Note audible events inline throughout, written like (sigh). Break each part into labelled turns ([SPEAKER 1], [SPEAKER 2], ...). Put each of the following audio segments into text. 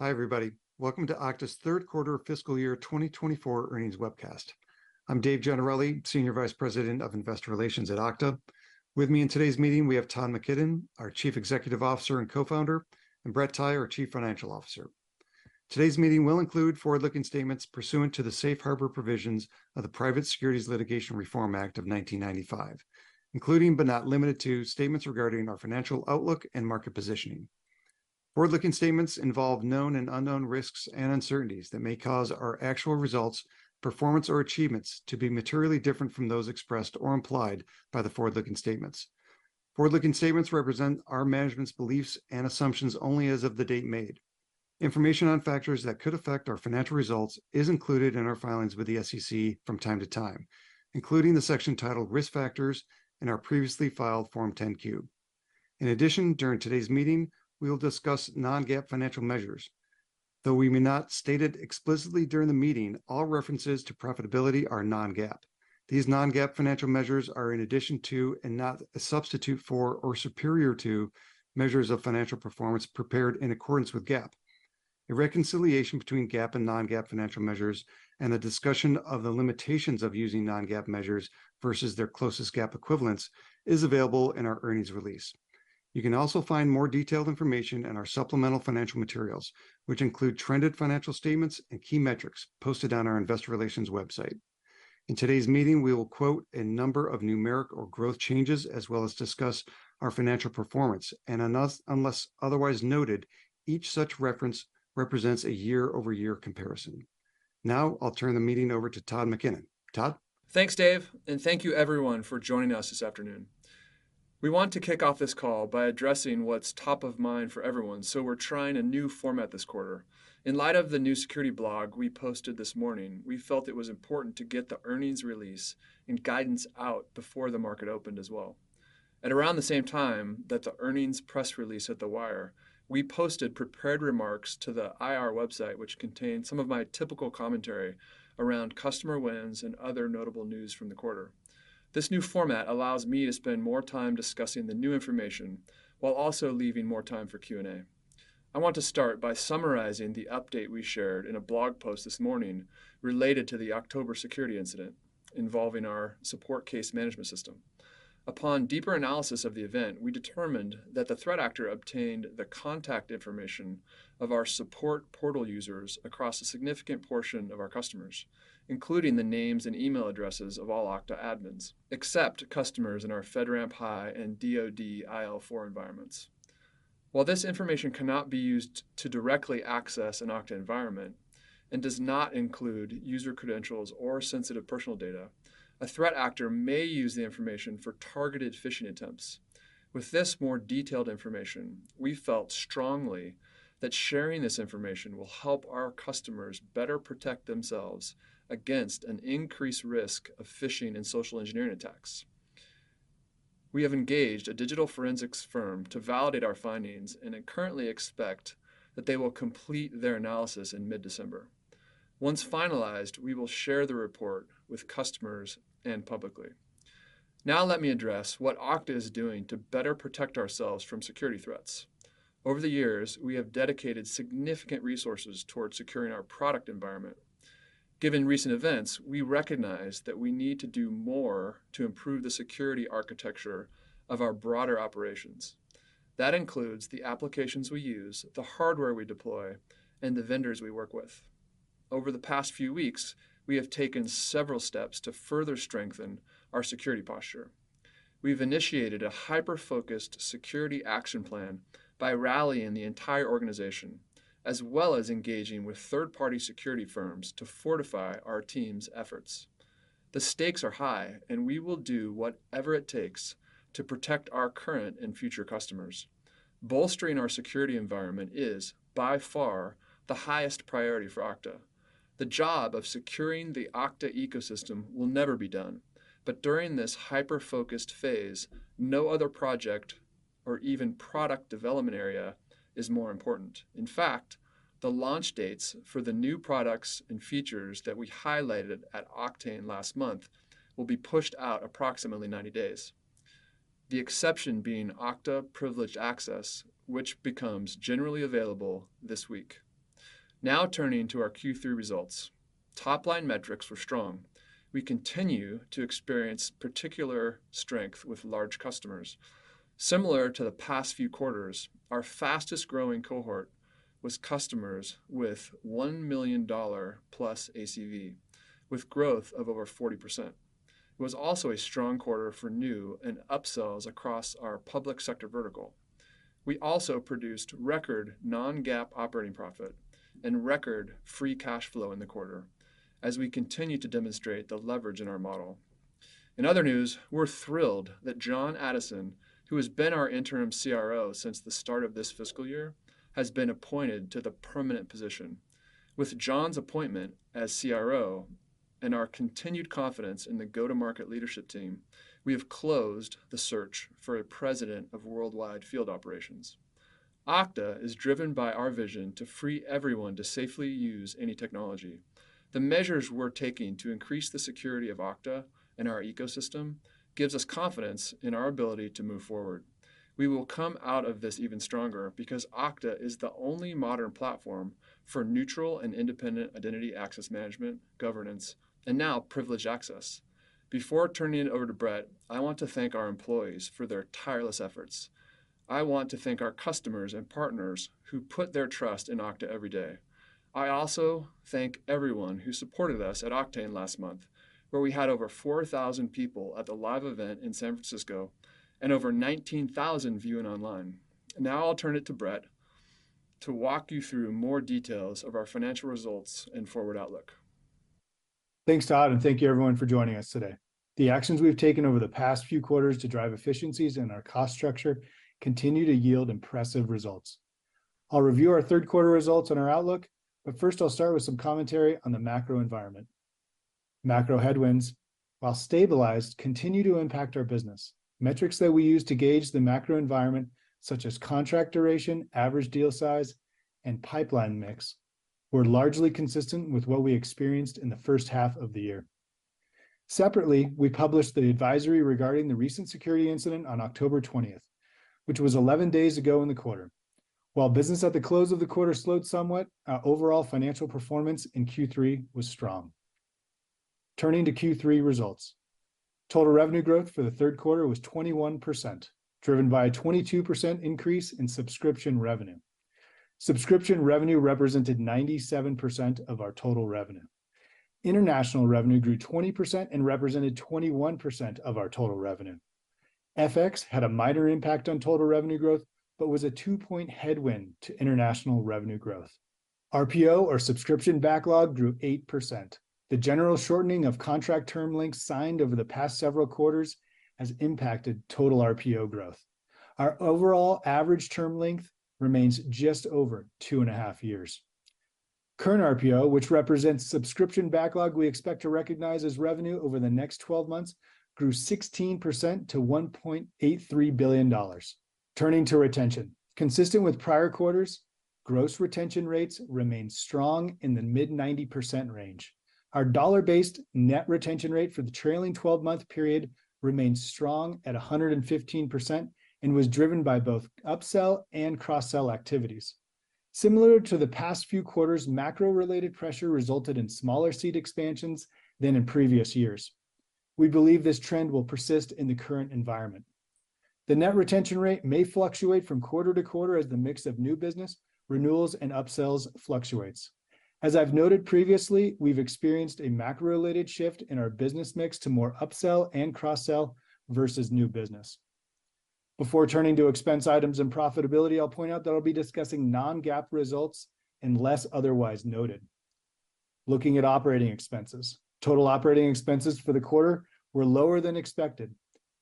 [SPEAKER 1] Hi, everybody. Welcome to Okta's Third Quarter Fiscal Year 2024 Earnings Webcast. I'm Dave Gennarelli, Senior Vice President of Investor Relations at Okta. With me in today's meeting, we have Todd McKinnon, our Chief Executive Officer and Co-founder, and Brett Tighe, our Chief Financial Officer. Today's meeting will include forward-looking statements pursuant to the Safe Harbor Provisions of the Private Securities Litigation Reform Act of 1995, including but not limited to, statements regarding our financial outlook and market positioning. Forward-looking statements involve known and unknown risks and uncertainties that may cause our actual results, performance, or achievements to be materially different from those expressed or implied by the forward-looking statements. Forward-looking statements represent our management's beliefs and assumptions only as of the date made. Information on factors that could affect our financial results is included in our filings with the SEC from time to time, including the section titled Risk Factors in our previously filed Form 10-Q. In addition, during today's meeting, we will discuss non-GAAP financial measures. Though we may not state it explicitly during the meeting, all references to profitability are non-GAAP. These non-GAAP financial measures are in addition to and not a substitute for or superior to measures of financial performance prepared in accordance with GAAP. A reconciliation between GAAP and non-GAAP financial measures and a discussion of the limitations of using non-GAAP measures versus their closest GAAP equivalents is available in our earnings release. You can also find more detailed information in our supplemental financial materials, which include trended financial statements and key metrics posted on our investor relations website. In today's meeting, we will quote a number of numeric or growth changes, as well as discuss our financial performance, and unless otherwise noted, each such reference represents a year-over-year comparison. Now, I'll turn the meeting over to Todd McKinnon. Todd?
[SPEAKER 2] Thanks, Dave, and thank you everyone for joining us this afternoon. We want to kick off this call by addressing what's top of mind for everyone, so we're trying a new format this quarter. In light of the new security blog we posted this morning, we felt it was important to get the earnings release and guidance out before the market opened as well. At around the same time that the earnings press release hit the wire, we posted prepared remarks to the IR website, which contained some of my typical commentary around customer wins and other notable news from the quarter. This new format allows me to spend more time discussing the new information while also leaving more time for Q&A. I want to start by summarizing the update we shared in a blog post this morning related to the October security incident involving our support case management system. Upon deeper analysis of the event, we determined that the threat actor obtained the contact information of our support portal users across a significant portion of our customers, including the names and email addresses of all Okta admins, except customers in our FedRAMP High and DoD IL4 environments. While this information cannot be used to directly access an Okta environment and does not include user credentials or sensitive personal data, a threat actor may use the information for targeted phishing attempts. With this more detailed information, we felt strongly that sharing this information will help our customers better protect themselves against an increased risk of phishing and social engineering attacks. We have engaged a digital forensics firm to validate our findings and currently expect that they will complete their analysis in mid-December. Once finalized, we will share the report with customers and publicly. Now, let me address what Okta is doing to better protect ourselves from security threats. Over the years, we have dedicated significant resources towards securing our product environment. Given recent events, we recognize that we need to do more to improve the security architecture of our broader operations. That includes the applications we use, the hardware we deploy, and the vendors we work with. Over the past few weeks, we have taken several steps to further strengthen our security posture. We've initiated a hyper-focused security action plan by rallying the entire organization, as well as engaging with third-party security firms to fortify our team's efforts. The stakes are high, and we will do whatever it takes to protect our current and future customers. Bolstering our security environment is, by far, the highest priority for Okta. The job of securing the Okta ecosystem will never be done, but during this hyper-focused phase, no other project or even product development area is more important. In fact, the launch dates for the new products and features that we highlighted at Oktane last month will be pushed out approximately 90 days. The exception being Okta Privileged Access, which becomes generally available this week. Now, turning to our Q3 results. Top-line metrics were strong. We continue to experience particular strength with large customers. Similar to the past few quarters, our fastest-growing cohort was customers with $1 million-plus ACV, with growth of over 40%. It was also a strong quarter for new and upsells across our public sector vertical. We also produced record non-GAAP operating profit and record free cash flow in the quarter as we continue to demonstrate the leverage in our model. In other news, we're thrilled that Jon Addison, who has been our interim CRO since the start of this fiscal year, has been appointed to the permanent position. With Jon's appointment as CRO and our continued confidence in the go-to-market leadership team, we have closed the search for a president of worldwide field operations. Okta is driven by our vision to free everyone to safely use any technology. The measures we're taking to increase the security of Okta and our ecosystem gives us confidence in our ability to move forward. We will come out of this even stronger because Okta is the only modern platform for neutral and independent identity access management, governance, and now privileged access. Before turning it over to Brett, I want to thank our employees for their tireless efforts. I want to thank our customers and partners who put their trust in Okta every day. I also thank everyone who supported us at Oktane last month, where we had over 4,000 people at the live event in San Francisco and over 19,000 viewing online. Now I'll turn it to Brett to walk you through more details of our financial results and forward outlook.
[SPEAKER 3] Thanks, Todd, and thank you everyone for joining us today. The actions we've taken over the past few quarters to drive efficiencies in our cost structure continue to yield impressive results. I'll review our third quarter results and our outlook, but first, I'll start with some commentary on the macro environment. Macro headwinds, while stabilized, continue to impact our business. Metrics that we use to gauge the macro environment, such as contract duration, average deal size, and pipeline mix, were largely consistent with what we experienced in the first half of the year. Separately, we published the advisory regarding the recent security incident on October 20th, which was 11 days ago in the quarter. While business at the close of the quarter slowed somewhat, our overall financial performance in Q3 was strong. Turning to Q3 results, total revenue growth for the third quarter was 21%, driven by a 22% increase in subscription revenue. Subscription revenue represented 97% of our total revenue. International revenue grew 20% and represented 21% of our total revenue. FX had a minor impact on total revenue growth, but was a 2-point headwind to international revenue growth. RPO, or subscription backlog, grew 8%. The general shortening of contract term lengths signed over the past several quarters has impacted total RPO growth. Our overall average term length remains just over two and a half years. Current RPO, which represents subscription backlog we expect to recognize as revenue over the next 12 months, grew 16% to $1.83 billion. Turning to retention. Consistent with prior quarters, gross retention rates remained strong in the mid-90% range. Our Dollar-Based Net Retention Rate for the trailing 12-month period remained strong at 115% and was driven by both upsell and cross-sell activities. Similar to the past few quarters, macro-related pressure resulted in smaller seat expansions than in previous years. We believe this trend will persist in the current environment. The net retention rate may fluctuate from quarter to quarter as the mix of new business, renewals, and upsells fluctuates. As I've noted previously, we've experienced a macro-related shift in our business mix to more upsell and cross-sell versus new business. Before turning to expense items and profitability, I'll point out that I'll be discussing non-GAAP results unless otherwise noted. Looking at operating expenses, total operating expenses for the quarter were lower than expected.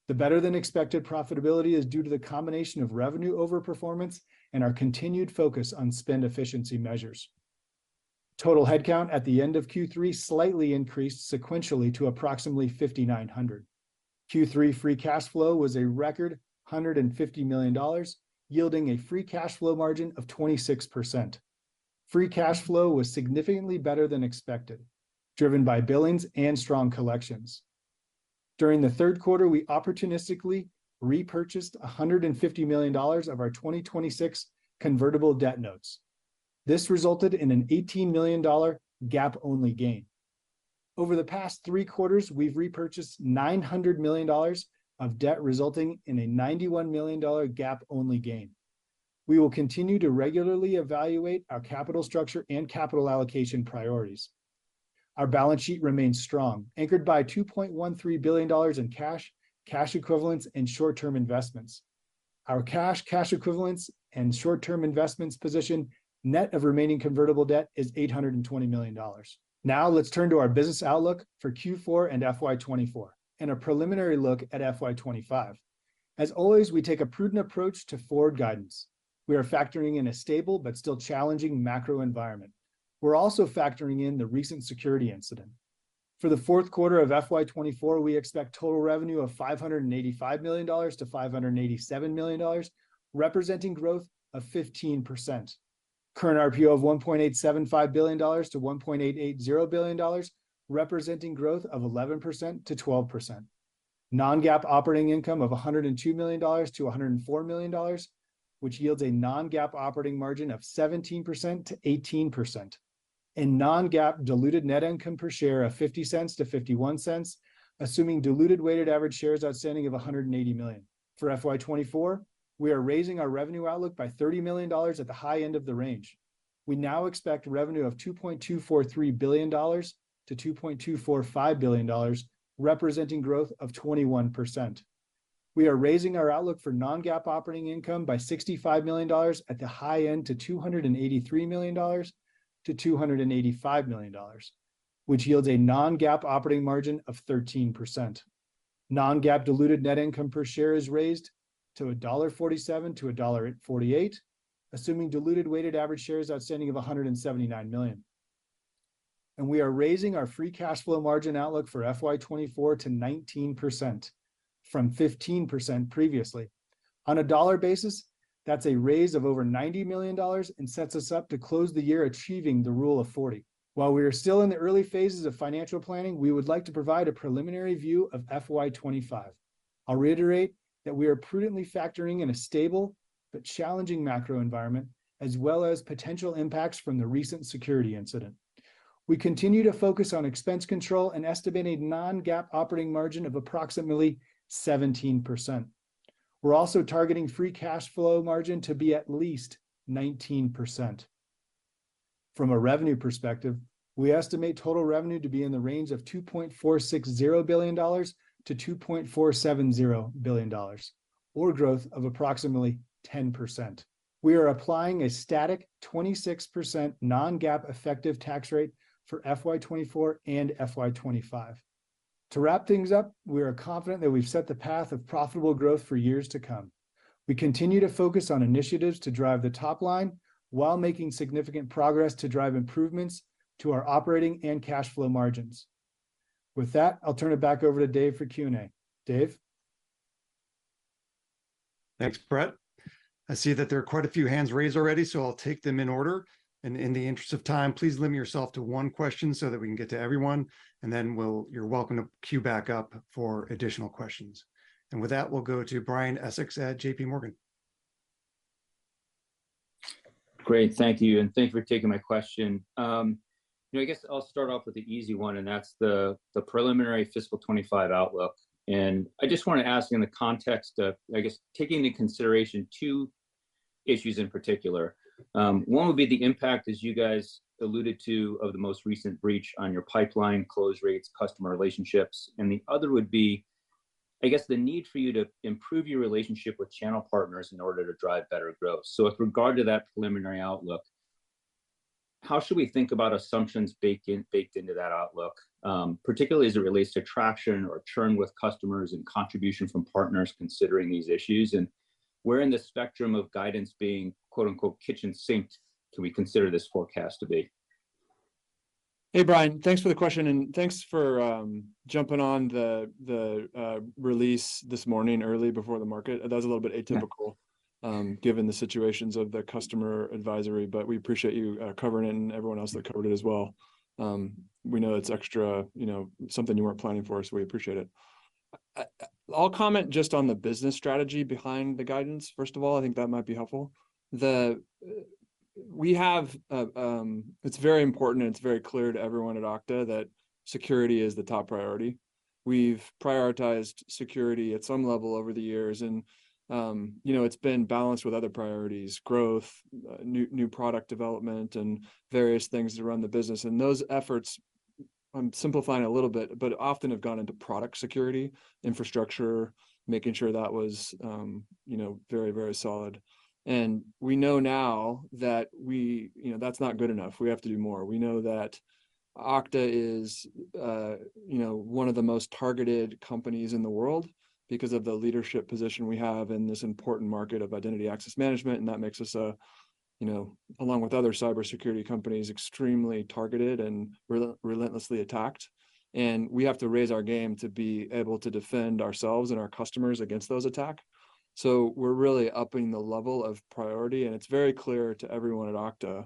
[SPEAKER 3] The better-than-expected profitability is due to the combination of revenue overperformance and our continued focus on spend efficiency measures. Total headcount at the end of Q3 slightly increased sequentially to approximately 5,900. Q3 free cash flow was a record $150 million, yielding a free cash flow margin of 26%. Free cash flow was significantly better than expected, driven by billings and strong collections. During the third quarter, we opportunistically repurchased $150 million of our 2026 convertible debt notes. This resulted in an $18 million GAAP-only gain. Over the past three quarters, we've repurchased $900 million of debt, resulting in a $91 million GAAP-only gain. We will continue to regularly evaluate our capital structure and capital allocation priorities. Our balance sheet remains strong, anchored by $2.13 billion in cash, cash equivalents, and short-term investments. Our cash, cash equivalents, and short-term investments position, net of remaining convertible debt, is $820 million. Now, let's turn to our business outlook for Q4 and FY 2024, and a preliminary look at FY 2025. As always, we take a prudent approach to forward guidance. We are factoring in a stable but still challenging macro environment. We're also factoring in the recent security incident. For the fourth quarter of FY 2024, we expect total revenue of $585 million-$587 million, representing growth of 15%. Current RPO of $1.875 billion-$1.880 billion, representing growth of 11%-12%. Non-GAAP operating income of $102 million-$104 million, which yields a non-GAAP operating margin of 17%-18%. And non-GAAP diluted net income per share of $0.50-$0.51, assuming diluted weighted average shares outstanding of 180 million. For FY 2024, we are raising our revenue outlook by $30 million at the high end of the range. We now expect revenue of $2.243 billion-$2.245 billion, representing growth of 21%. We are raising our outlook for non-GAAP operating income by $65 million at the high end to $283 million-$285 million, which yields a non-GAAP operating margin of 13%. Non-GAAP diluted net income per share is raised to $1.47-$1.48, assuming diluted weighted average shares outstanding of 179 million. We are raising our free cash flow margin outlook for FY 2024 to 19% from 15% previously. On a dollar basis, that's a raise of over $90 million and sets us up to close the year achieving the Rule of 40. While we are still in the early phases of financial planning, we would like to provide a preliminary view of FY 2025. I'll reiterate that we are prudently factoring in a stable but challenging macro environment, as well as potential impacts from the recent security incident. We continue to focus on expense control and estimated non-GAAP operating margin of approximately 17%. We're also targeting free cash flow margin to be at least 19%. From a revenue perspective, we estimate total revenue to be in the range of $2.460 billion-$2.470 billion, or growth of approximately 10%. We are applying a static 26% non-GAAP effective tax rate for FY 2024 and FY 2025. To wrap things up, we are confident that we've set the path of profitable growth for years to come. We continue to focus on initiatives to drive the top line, while making significant progress to drive improvements to our operating and cash flow margins. With that, I'll turn it back over to Dave for Q&A. Dave?
[SPEAKER 1] Thanks, Brett. I see that there are quite a few hands raised already, so I'll take them in order. In the interest of time, please limit yourself to one question so that we can get to everyone, and then you're welcome to queue back up for additional questions. With that, we'll go to Brian Essex at JPMorgan.
[SPEAKER 4] Great. Thank you, and thanks for taking my question. You know, I guess I'll start off with the easy one, and that's the preliminary fiscal 2025 outlook. And I just want to ask you in the context of, I guess, taking into consideration two issues in particular. One would be the impact, as you guys alluded to, of the most recent breach on your pipeline, close rates, customer relationships. And the other would be, I guess, the need for you to improve your relationship with channel partners in order to drive better growth. So with regard to that preliminary outlook, how should we think about assumptions baked in, baked into that outlook, particularly as it relates to traction or churn with customers and contribution from partners considering these issues? And where in the spectrum of guidance being "kitchen sink," do we consider this forecast to be?
[SPEAKER 2] Hey, Brian, thanks for the question, and thanks for jumping on the release this morning early before the market. That was a little bit atypical given the situations of the customer advisory, but we appreciate you covering it and everyone else that covered it as well. We know it's extra, you know, something you weren't planning for, so we appreciate it. I'll comment just on the business strategy behind the guidance. First of all, I think that might be helpful. It's very important, and it's very clear to everyone at Okta that security is the top priority. We've prioritized security at some level over the years, and, you know, it's been balanced with other priorities, growth, new product development, and various things to run the business. And those efforts, I'm simplifying a little bit, but often have gone into product security, infrastructure, making sure that was, you know, very, very solid. We know now that, you know, that's not good enough. We have to do more. We know that Okta is, you know, one of the most targeted companies in the world because of the leadership position we have in this important market of identity access management, and that makes us a, you know, along with other cybersecurity companies, extremely targeted and relentlessly attacked. We have to raise our game to be able to defend ourselves and our customers against those attacks. We're really upping the level of priority, and it's very clear to everyone at Okta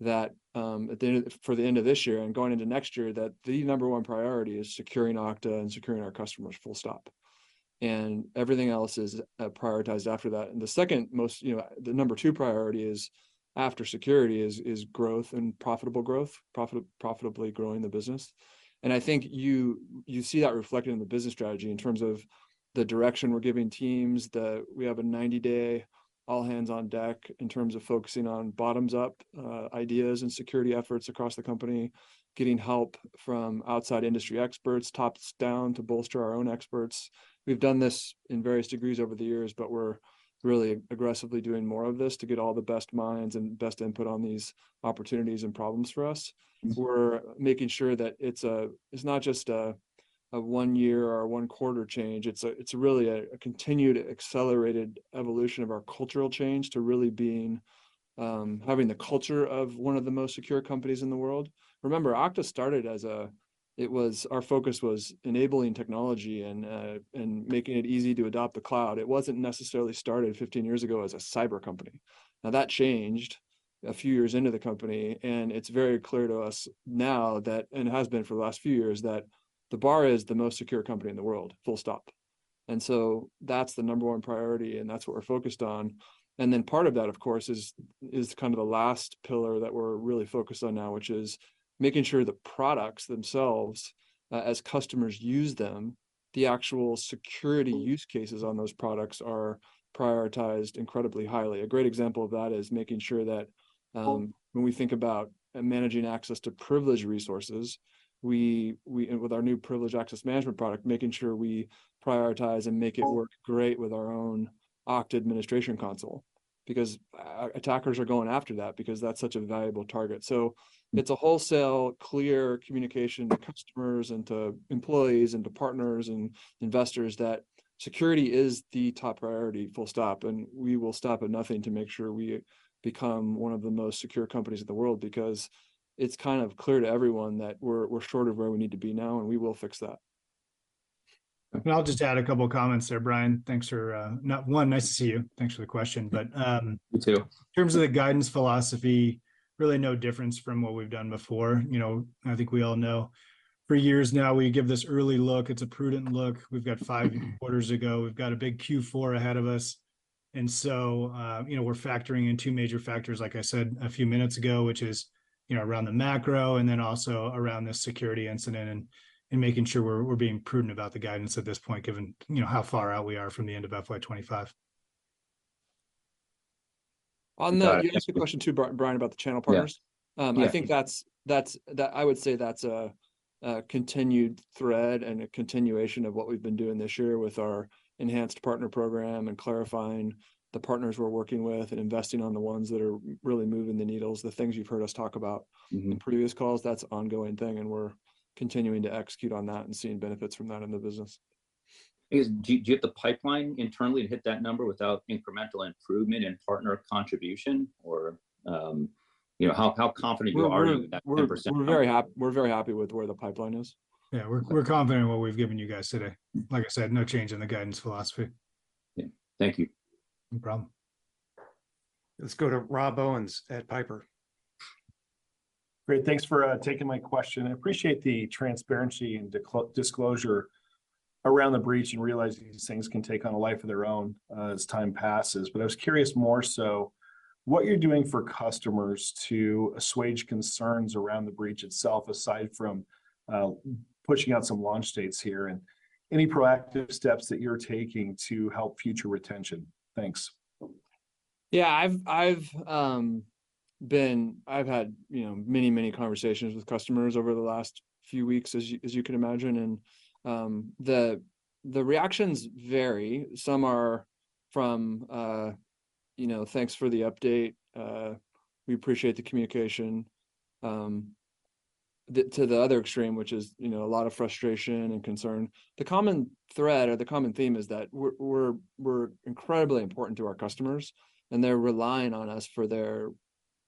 [SPEAKER 2] that, at the end, for the end of this year and going into next year, that the number one priority is securing Okta and securing our customers, full stop. Everything else is prioritized after that. And the second most, you know, the number two priority is, after security, is, is growth and profitable growth, profit- profitably growing the business. And I think you, you see that reflected in the business strategy in terms of the direction we're giving teams, that we have a 90-day, all-hands-on-deck in terms of focusing on bottoms-up, ideas and security efforts across the company, getting help from outside industry experts, tops-down, to bolster our own experts. We've done this in various degrees over the years, but we're really aggressively doing more of this to get all the best minds and best input on these opportunities and problems for us. We're making sure that it's a, it's not just a, a one-year or one-quarter change, it's a, it's really a, a continued accelerated evolution of our cultural change to really being. Having the culture of one of the most secure companies in the world. Remember, Okta started as a. It was our focus enabling technology and, and making it easy to adopt the cloud. It wasn't necessarily started 15 years ago as a cyber company. Now, that changed a few years into the company, and it's very clear to us now that, and it has been for the last few years, that the bar is the most secure company in the world, full stop. And so that's the number one priority, and that's what we're focused on. And then part of that, of course, is kind of the last pillar that we're really focused on now, which is making sure the products themselves, as customers use them, the actual security use cases on those products are prioritized incredibly highly. A great example of that is making sure that when we think about managing access to privileged resources, we with our new privileged access management product, making sure we prioritize and make it work great with our own Okta administration console, because attackers are going after that because that's such a valuable target. So it's a wholesale, clear communication to customers, and to employees, and to partners, and investors that security is the top priority, full stop. And we will stop at nothing to make sure we become one of the most secure companies in the world, because it's kind of clear to everyone that we're short of where we need to be now, and we will fix that.
[SPEAKER 3] I'll just add a couple of comments there, Brian. Thanks for not... One, nice to see you. Thanks for the question, but,
[SPEAKER 4] You too
[SPEAKER 3] in terms of the guidance philosophy, really no difference from what we've done before. You know, I think we all know for years now, we give this early look, it's a prudent look. We've got five quarters ago, we've got a big Q4 ahead of us. And so, you know, we're factoring in two major factors, like I said, a few minutes ago, which is, you know, around the macro and then also around the security incident, and making sure we're being prudent about the guidance at this point, given, you know, how far out we are from the end of FY 2025.
[SPEAKER 2] You asked a question, too, Brian, about the channel partners. I think that's a continued thread and a continuation of what we've been doing this year with our enhanced partner program, and clarifying the partners we're working with, and investing on the ones that are really moving the needles, the things you've heard us talk about in previous calls. That's an ongoing thing, and we're continuing to execute on that and seeing benefits from that in the business.
[SPEAKER 4] Do you have the pipeline internally to hit that number without incremental improvement and partner contribution? Or, you know, how confident you are that-
[SPEAKER 2] We're very happy with where the pipeline is.
[SPEAKER 3] Yeah, we're confident in what we've given you guys today. Like I said, no change in the guidance philosophy.
[SPEAKER 4] Yeah. Thank you.
[SPEAKER 1] No problem. Let's go to Rob Owens at Piper.
[SPEAKER 5] Great. Thanks for taking my question. I appreciate the transparency and disclosure around the breach and realizing these things can take on a life of their own, as time passes. But I was curious more so what you're doing for customers to assuage concerns around the breach itself, aside from pushing out some launch dates here, and any proactive steps that you're taking to help future retention? Thanks.
[SPEAKER 2] Yeah, I've had, you know, many, many conversations with customers over the last few weeks, as you can imagine, and the reactions vary. Some are from, you know, "Thanks for the update, we appreciate the communication," to the other extreme, which is, you know, a lot of frustration and concern. The common thread or the common theme is that we're incredibly important to our customers, and they're relying on us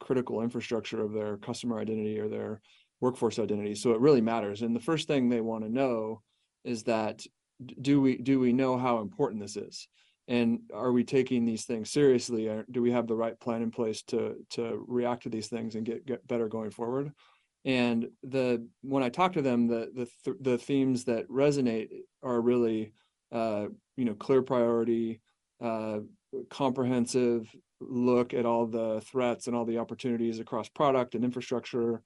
[SPEAKER 2] for their critical infrastructure of their customer identity or their workforce identity, so it really matters. And the first thing they want to know is that, do we know how important this is? And are we taking these things seriously, or do we have the right plan in place to react to these things and get better going forward? And the... When I talk to them, the themes that resonate are really, you know, clear priority, comprehensive look at all the threats and all the opportunities across product and infrastructure,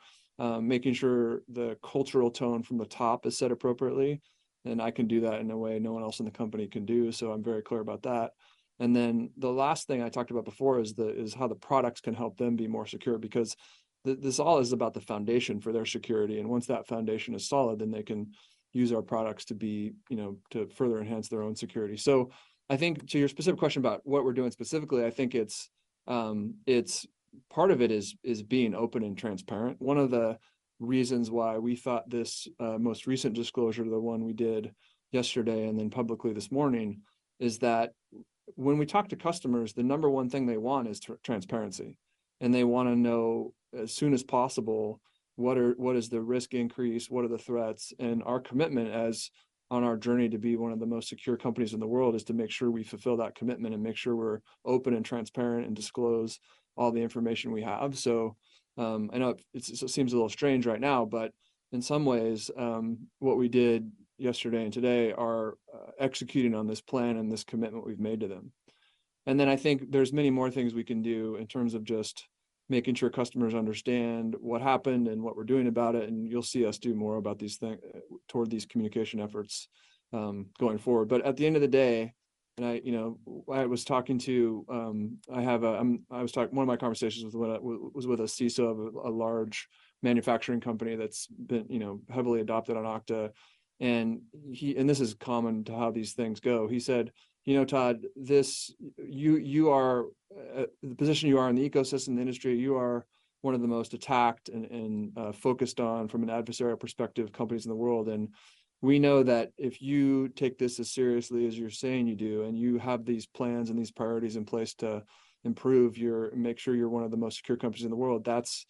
[SPEAKER 2] making sure the cultural tone from the top is set appropriately. And I can do that in a way no one else in the company can do, so I'm very clear about that. And then the last thing I talked about before is how the products can help them be more secure, because this all is about the foundation for their security, and once that foundation is solid, then they can use our products to be, you know, to further enhance their own security. So I think to your specific question about what we're doing specifically, I think it's part of it is being open and transparent. One of the reasons why we thought this most recent disclosure, the one we did yesterday and then publicly this morning, is that when we talk to customers, the number one thing they want is transparency. And they wanna know, as soon as possible, what is the risk increase, what are the threats? And our commitment as on our journey to be one of the most secure companies in the world, is to make sure we fulfill that commitment and make sure we're open and transparent, and disclose all the information we have. So, I know it seems a little strange right now, but in some ways, what we did yesterday and today are executing on this plan and this commitment we've made to them. And then I think there's many more things we can do in terms of just making sure customers understand what happened and what we're doing about it, and you'll see us do more about these things toward these communication efforts, going forward. But at the end of the day, you know, one of my conversations was with a CISO of a large manufacturing company that's been, you know, heavily adopted on Okta. And he and this is common to how these things go. He said, "You know, Todd, you, you are the position you are in the ecosystem, the industry, you are one of the most attacked and focused on from an adversarial perspective, companies in the world. We know that if you take this as seriously as you're saying you do, and you have these plans and these priorities in place to make sure you're one of the most secure companies in the world, that's,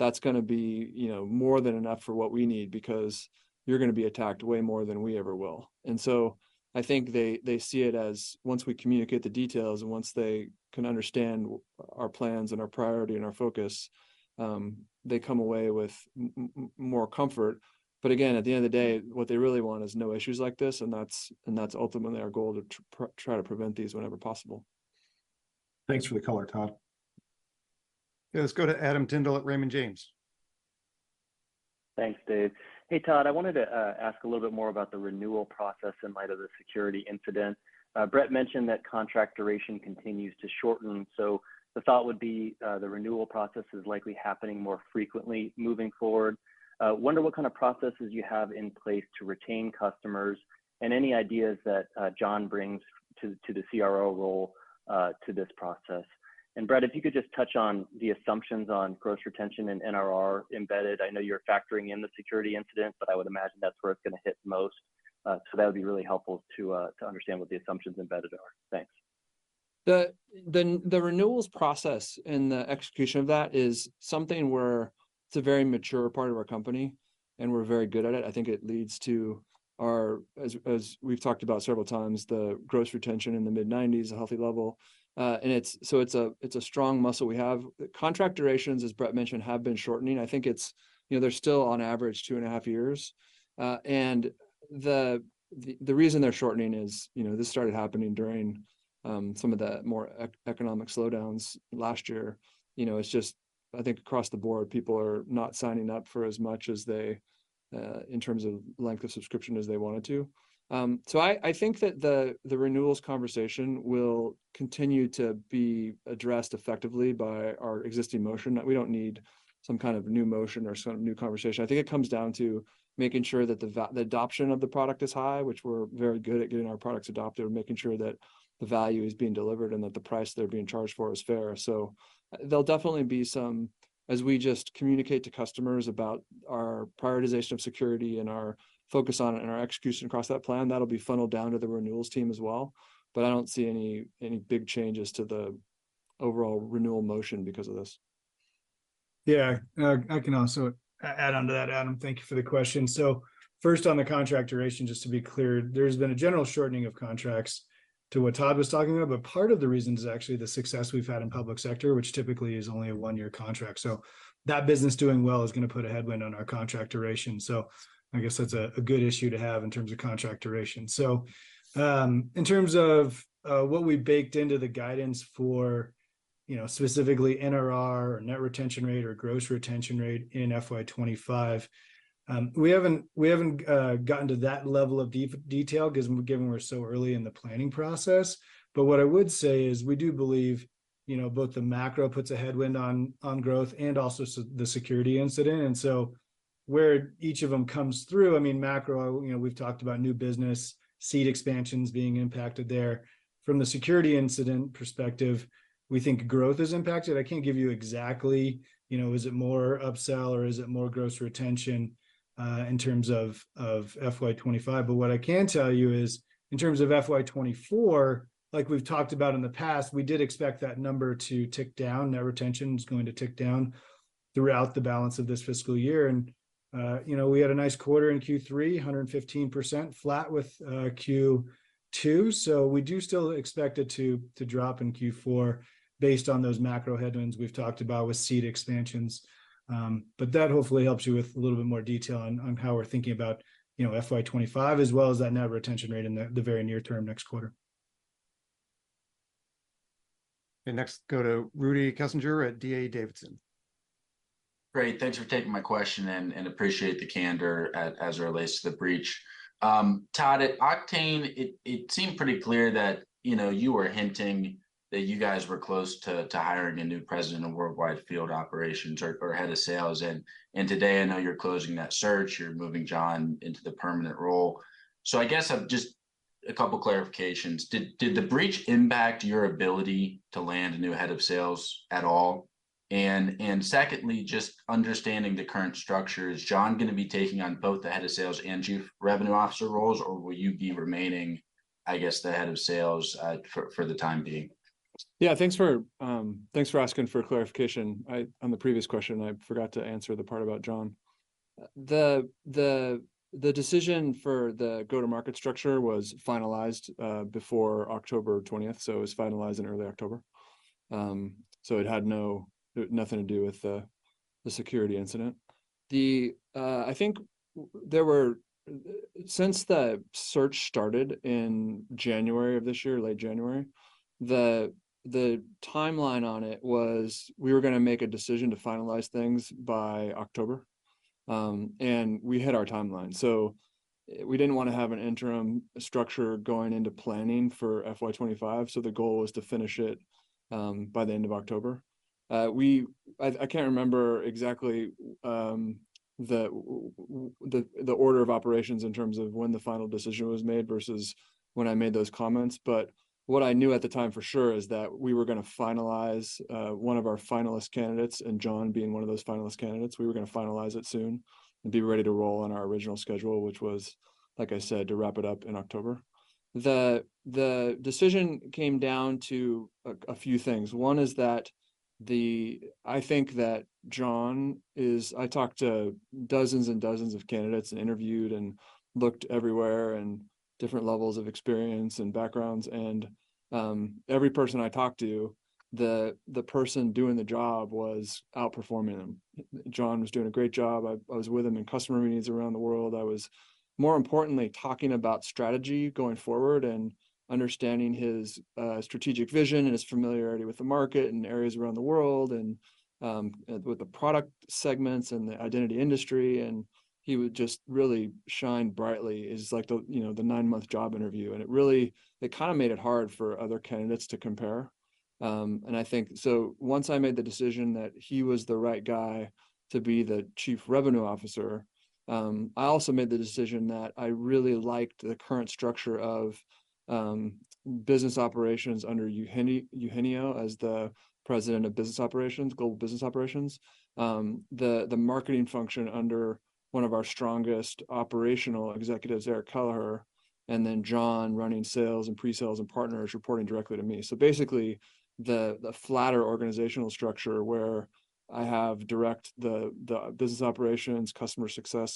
[SPEAKER 2] that's gonna be, you know, more than enough for what we need, because you're gonna be attacked way more than we ever will. And so, I think they, they see it as once we communicate the details, and once they can understand our plans and our priority, and our focus, they come away with more comfort. But again, at the end of the day, what they really want is no issues like this, and that's, and that's ultimately our goal, to try to prevent these whenever possible.
[SPEAKER 5] Thanks for the color, Todd.
[SPEAKER 1] Yeah. Let's go to Adam Tindall at Raymond James.
[SPEAKER 6] Thanks, Dave. Hey, Todd, I wanted to ask a little bit more about the renewal process in light of the security incident. Brett mentioned that contract duration continues to shorten, so the thought would be the renewal process is likely happening more frequently moving forward. Wonder what kind of processes you have in place to retain customers, and any ideas that Jon brings to the CRO role to this process? Brett, if you could just touch on the assumptions on gross retention and NRR embedded. I know you're factoring in the security incident, but I would imagine that's where it's gonna hit the most. So that would be really helpful to understand what the assumptions embedded are. Thanks.
[SPEAKER 2] The renewals process and the execution of that is something where it's a very mature part of our company, and we're very good at it. I think it leads to our, as we've talked about several times, the gross retention in the mid-90s, a healthy level. And it's a strong muscle we have. Contract durations, as Brett mentioned, have been shortening. I think it's, you know, they're still, on average, two and a half years. And the reason they're shortening is, you know, this started happening during some of the more economic slowdowns last year. You know, it's just, I think across the board, people are not signing up for as much as they in terms of length of subscription, as they wanted to. So I think that the renewals conversation will continue to be addressed effectively by our existing motion, that we don't need some kind of new motion or some sort of new conversation. I think it comes down to making sure that the adoption of the product is high, which we're very good at getting our products adopted, and making sure that the value is being delivered and that the price they're being charged for is fair. So there'll definitely be some... As we just communicate to customers about our prioritization of security and our focus on it, and our execution across that plan, that'll be funneled down to the renewals team as well. But I don't see any big changes to the overall renewal motion because of this.
[SPEAKER 3] Yeah. I can also add onto that, Adam. Thank you for the question. So first, on the contract duration, just to be clear, there's been a general shortening of contracts to what Todd was talking about, but part of the reason is actually the success we've had in public sector, which typically is only a one-year contract. So that business doing well is gonna put a headwind on our contract duration, so I guess that's a good issue to have in terms of contract duration. So, in terms of what we baked into the guidance for, you know, specifically NRR, or net retention rate, or gross retention rate in FY 2025, we haven't gotten to that level of detail, given we're so early in the planning process. But what I would say is, we do believe, you know, both the macro puts a headwind on growth, and also the security incident. And so where each of them comes through, I mean, macro, you know, we've talked about new business, seat expansions being impacted there. From the security incident perspective, we think growth is impacted. I can't give you exactly, you know, is it more upsell or is it more gross retention in terms of FY 2025? But what I can tell you is, in terms of FY 2024, like we've talked about in the past, we did expect that number to tick down. Net retention is going to tick down throughout the balance of this fiscal year. You know, we had a nice quarter in Q3, 115%, flat with Q2, so we do still expect it to drop in Q4 based on those macro headwinds we've talked about with seat expansions. But that hopefully helps you with a little bit more detail on how we're thinking about, you know, FY 2025, as well as that net retention rate in the very near term, next quarter. Next, go to Rudy Kessinger at D.A. Davidson.
[SPEAKER 7] Great. Thanks for taking my question and appreciate the candor as it relates to the breach. Todd, at Oktane, it seemed pretty clear that, you know, you were hinting that you guys were close to hiring a new president of worldwide field operations or head of sales. And today, I know you're closing that search. You're moving Jon into the permanent role. So I guess I've just a couple clarifications. Did the breach impact your ability to land a new head of sales at all? And secondly, just understanding the current structure, is Jon gonna be taking on both the Head of Sales and Chief Revenue Officer roles, or will you be remaining, I guess, the Head of Sales for the time being?
[SPEAKER 2] Yeah, thanks for, thanks for asking for clarification. On the previous question, I forgot to answer the part about John. The decision for the go-to-market structure was finalized before October 20th, so it was finalized in early October. So it had nothing to do with the security incident. I think since the search started in January of this year, late January, the timeline on it was, we were gonna make a decision to finalize things by October, and we hit our timeline. So we didn't want to have an interim structure going into planning for FY 2025, so the goal was to finish it by the end of October. I can't remember exactly the order of operations in terms of when the final decision was made versus when I made those comments, but what I knew at the time for sure is that we were gonna finalize one of our finalist candidates, and John being one of those finalist candidates, we were gonna finalize it soon and be ready to roll on our original schedule, which was, like I said, to wrap it up in October. The decision came down to a few things. One is that I think that John is... I talked to dozens and dozens of candidates, and interviewed, and looked everywhere, and different levels of experience and backgrounds, and every person I talked to, the person doing the job was outperforming them. John was doing a great job. I was with him in customer meetings around the world. I was, more importantly, talking about strategy going forward and understanding his strategic vision and his familiarity with the market and areas around the world, and with the product segments and the identity industry, and he would just really shine brightly. It's like the, you know, the nine-month job interview, and it really—it kind of made it hard for other candidates to compare. And I think, so once I made the decision that he was the right guy to be the Chief Revenue Officer, I also made the decision that I really liked the current structure of business operations under Eugenio, Eugenio as the President of Business Operations, Global Business Operations. The marketing function under one of our strongest operational executives, Eric Kelleher, and then Jon running sales and pre-sales and partners reporting directly to me. So basically, the flatter organizational structure where I have direct the business operations, customer success,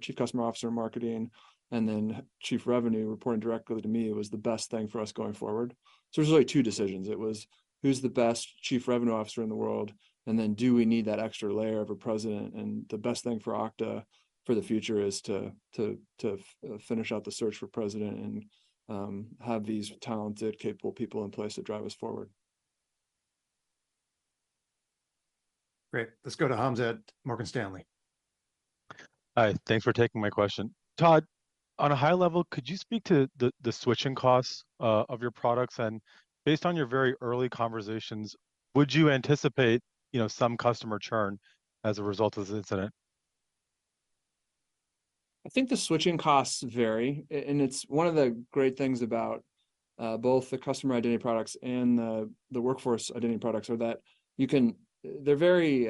[SPEAKER 2] chief customer officer, marketing, and then chief revenue reporting directly to me, was the best thing for us going forward. So it was really two decisions. It was: Who's the best Chief Revenue Officer in the world? And then, do we need that extra layer of a president? And the best thing for Okta for the future is to finish out the search for president and have these talented, capable people in place to drive us forward.
[SPEAKER 1] Great. Let's go to Hamza at Morgan Stanley.
[SPEAKER 8] Hi, thanks for taking my question. Todd, on a high level, could you speak to the switching costs of your products? And based on your very early conversations, would you anticipate, you know, some customer churn as a result of this incident?
[SPEAKER 2] I think the switching costs vary, and it's one of the great things about both the customer identity products and the workforce identity products are that you can... They're very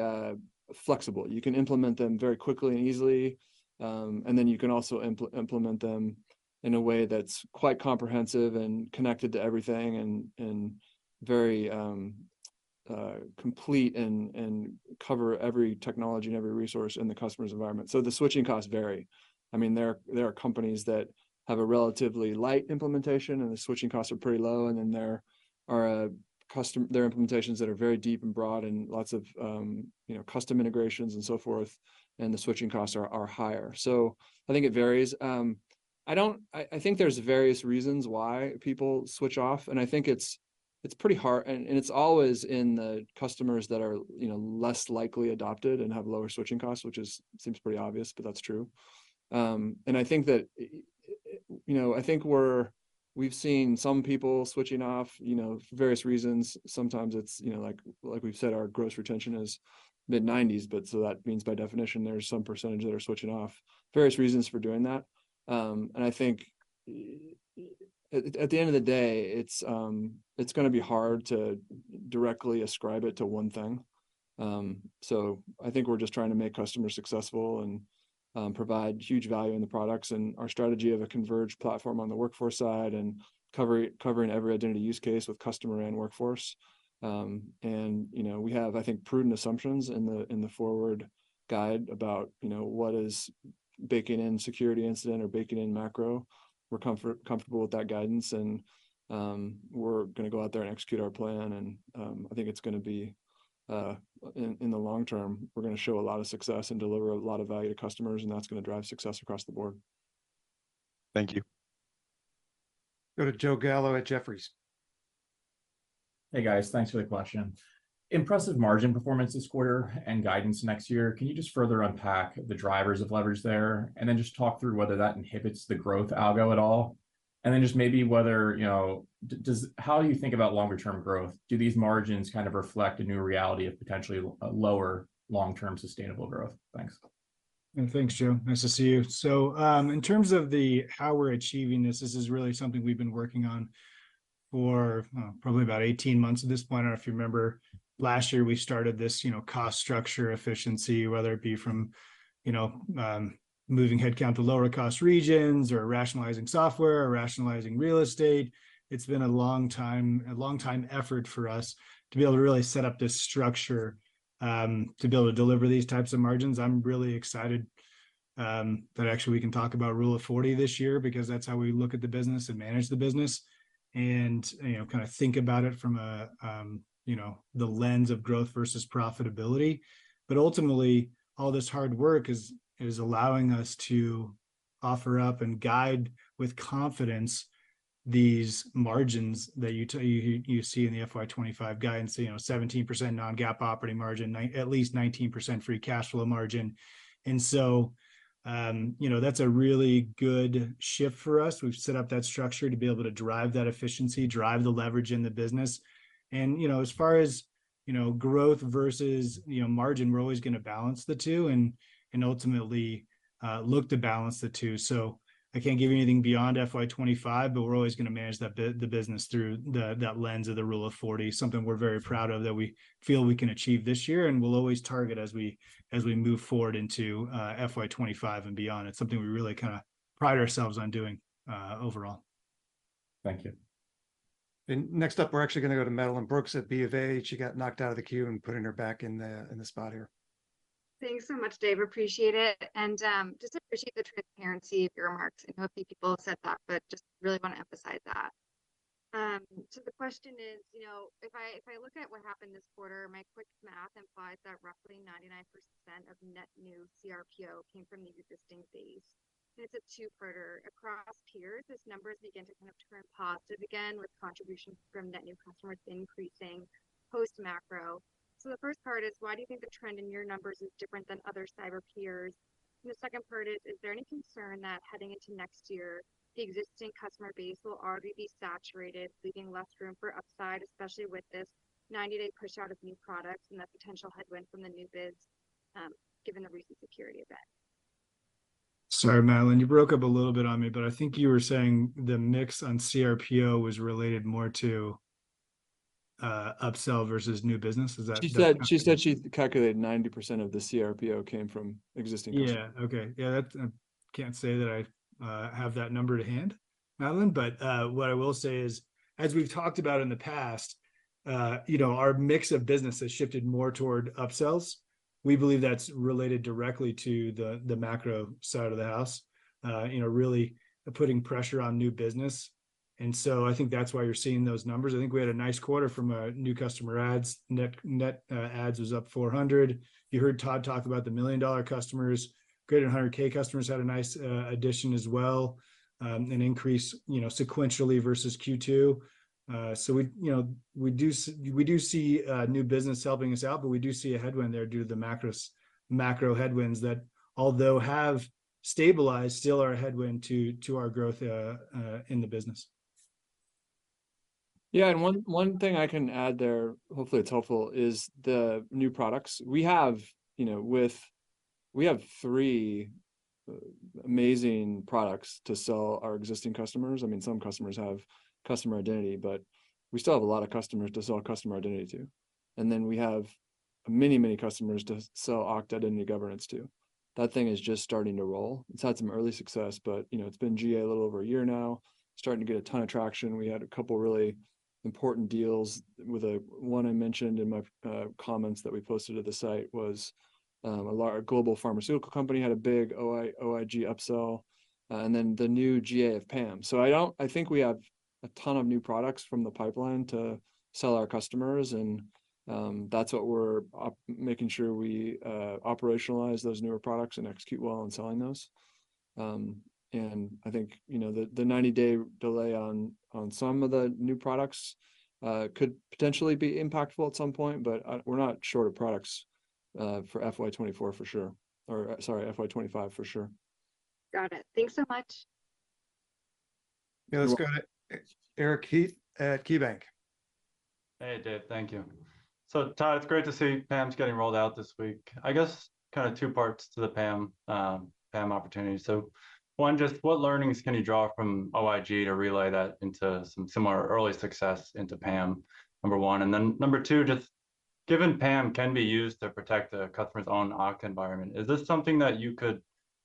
[SPEAKER 2] flexible. You can implement them very quickly and easily, and then you can also implement them in a way that's quite comprehensive and connected to everything and very complete and cover every technology and every resource in the customer's environment. So the switching costs vary. I mean, there are companies that have a relatively light implementation, and the switching costs are pretty low, and then there are implementations that are very deep and broad and lots of custom integrations and so forth, and the switching costs are higher. So I think it varies. I don't, I think there's various reasons why people switch off, and I think it's pretty hard, and it's always in the customers that are, you know, less likely adopted and have lower switching costs, which seems pretty obvious, but that's true. And I think that, you know, I think we've seen some people switching off, you know, for various reasons. Sometimes it's, you know, like, like we've said, our gross retention is mid-90s%, but so that means, by definition, there's some percentage that are switching off. Various reasons for doing that. And I think, at the end of the day, it's gonna be hard to directly ascribe it to one thing. So I think we're just trying to make customers successful and provide huge value in the products and our strategy of a converged platform on the workforce side and covering every identity use case with customer and workforce. And, you know, we have, I think, prudent assumptions in the forward guide about what is baking in security incident or baking in macro. We're comfortable with that guidance and we're gonna go out there and execute our plan, and I think it's gonna be... In the long term, we're gonna show a lot of success and deliver a lot of value to customers, and that's gonna drive success across the board.
[SPEAKER 8] Thank you.
[SPEAKER 1] Go to Joe Gallo at Jefferies.
[SPEAKER 9] Hey, guys. Thanks for the question. Impressive margin performance this quarter and guidance next year. Can you just further unpack the drivers of leverage there, and then just talk through whether that inhibits the growth algo at all? And then just maybe whether, you know, does how you think about longer-term growth, do these margins kind of reflect a new reality of potentially a lower long-term sustainable growth? Thanks.
[SPEAKER 3] Thanks, Joe. Nice to see you. So, in terms of the how we're achieving this, this is really something we've been working on for, probably about 18 months at this point. I don't know if you remember, last year, we started this, you know, cost structure efficiency, whether it be from, you know, moving headcount to lower-cost regions or rationalizing software or rationalizing real estate. It's been a long time, a long-time effort for us to be able to really set up this structure, to be able to deliver these types of margins. I'm really excited, that actually we can talk about Rule of 40 this year, because that's how we look at the business and manage the business and, you know, kind of think about it from a, you know, the lens of growth versus profitability. But ultimately, all this hard work is allowing us to offer up and guide with confidence these margins that you see in the FY 2025 guidance. You know, 17% non-GAAP operating margin, at least 19% free cash flow margin. And so, you know, that's a really good shift for us. We've set up that structure to be able to drive that efficiency, drive the leverage in the business. And, you know, as far as, you know, growth versus, you know, margin, we're always gonna balance the two and ultimately look to balance the two. So I can't give you anything beyond FY 2025, but we're always gonna manage the business through that lens of the rule of 40, something we're very proud of, that we feel we can achieve this year. We'll always target as we move forward into FY 2025 and beyond. It's something we really kind of pride ourselves on doing overall.
[SPEAKER 9] Thank you.
[SPEAKER 1] Next up, we're actually gonna go to Madeline Brooks at BofA. She got knocked out of the queue, and we're putting her back in the spot here.
[SPEAKER 10] Thanks so much, Dave. Appreciate it. And just appreciate the transparency of your remarks. I know a few people have said that, but just really want to emphasize that. So the question is, you know, if I, if I look at what happened this quarter, my quick math implies that roughly 99% of net new cRPO came from the existing base. And it's a two-parter. Across peers, as numbers begin to kind of turn positive again, with contribution from net new customers increasing post-macro. So the first part is, why do you think the trend in your numbers is different than other cyber peers? And the second part is, is there any concern that heading into next year, the existing customer base will already be saturated, leaving less room for upside, especially with this 90-day push out of new products and that potential headwind from the new bids, given the recent security event?
[SPEAKER 3] Sorry, Madeline, you broke up a little bit on me, but I think you were saying the mix on cRPO was related more to, upsell versus new business. Is that-
[SPEAKER 2] She said, she said she calculated 90% of the cRPO came from existing customers.
[SPEAKER 3] Yeah, okay. Yeah, that, I can't say that I have that number at hand, Madeline, but what I will say is, as we've talked about in the past, you know, our mix of business has shifted more toward upsells. We believe that's related directly to the macro side of the house, you know, really putting pressure on new business. And so I think that's why you're seeing those numbers. I think we had a nice quarter from a new customer adds. Net, net, adds was up 400. You heard Todd talk about the million-dollar customers. Greater than 100K customers had a nice addition as well, an increase, you know, sequentially versus Q2. So we, you know, we do see new business helping us out, but we do see a headwind there due to the macro headwinds that, although have stabilized, still are a headwind to our growth in the business.
[SPEAKER 2] Yeah, and one thing I can add there, hopefully it's helpful, is the new products. We have, you know, with... We have three amazing products to sell our existing customers. I mean, some customers have customer identity, but we still have a lot of customers to sell customer identity to. And then we have many, many customers to sell Okta Identity Governance to. That thing is just starting to roll. It's had some early success, but, you know, it's been GA a little over a year now, starting to get a ton of traction. We had a couple of really important deals, with one I mentioned in my comments that we posted to the site was a global pharmaceutical company had a big OIG upsell, and then the new GA of PAM. So I don't think we have a ton of new products from the pipeline to sell our customers, and that's what we're making sure we operationalize those newer products and execute well on selling those. And I think, you know, the 90-day delay on some of the new products could potentially be impactful at some point, but we're not short of products for FY 2024, for sure. Or sorry, FY 2025, for sure.
[SPEAKER 10] Got it. Thanks so much.
[SPEAKER 1] Yeah, let's go to Eric Heath at KeyBanc.
[SPEAKER 11] Hey, Dave. Thank you. So Todd, it's great to see PAM's getting rolled out this week. I guess kind of two parts to the PAM, PAM opportunity. So one, just what learnings can you draw from OIG to relay that into some similar early success into PAM? Number one, and then number two, just given PAM can be used to protect a customer's own Okta environment, is this something that you could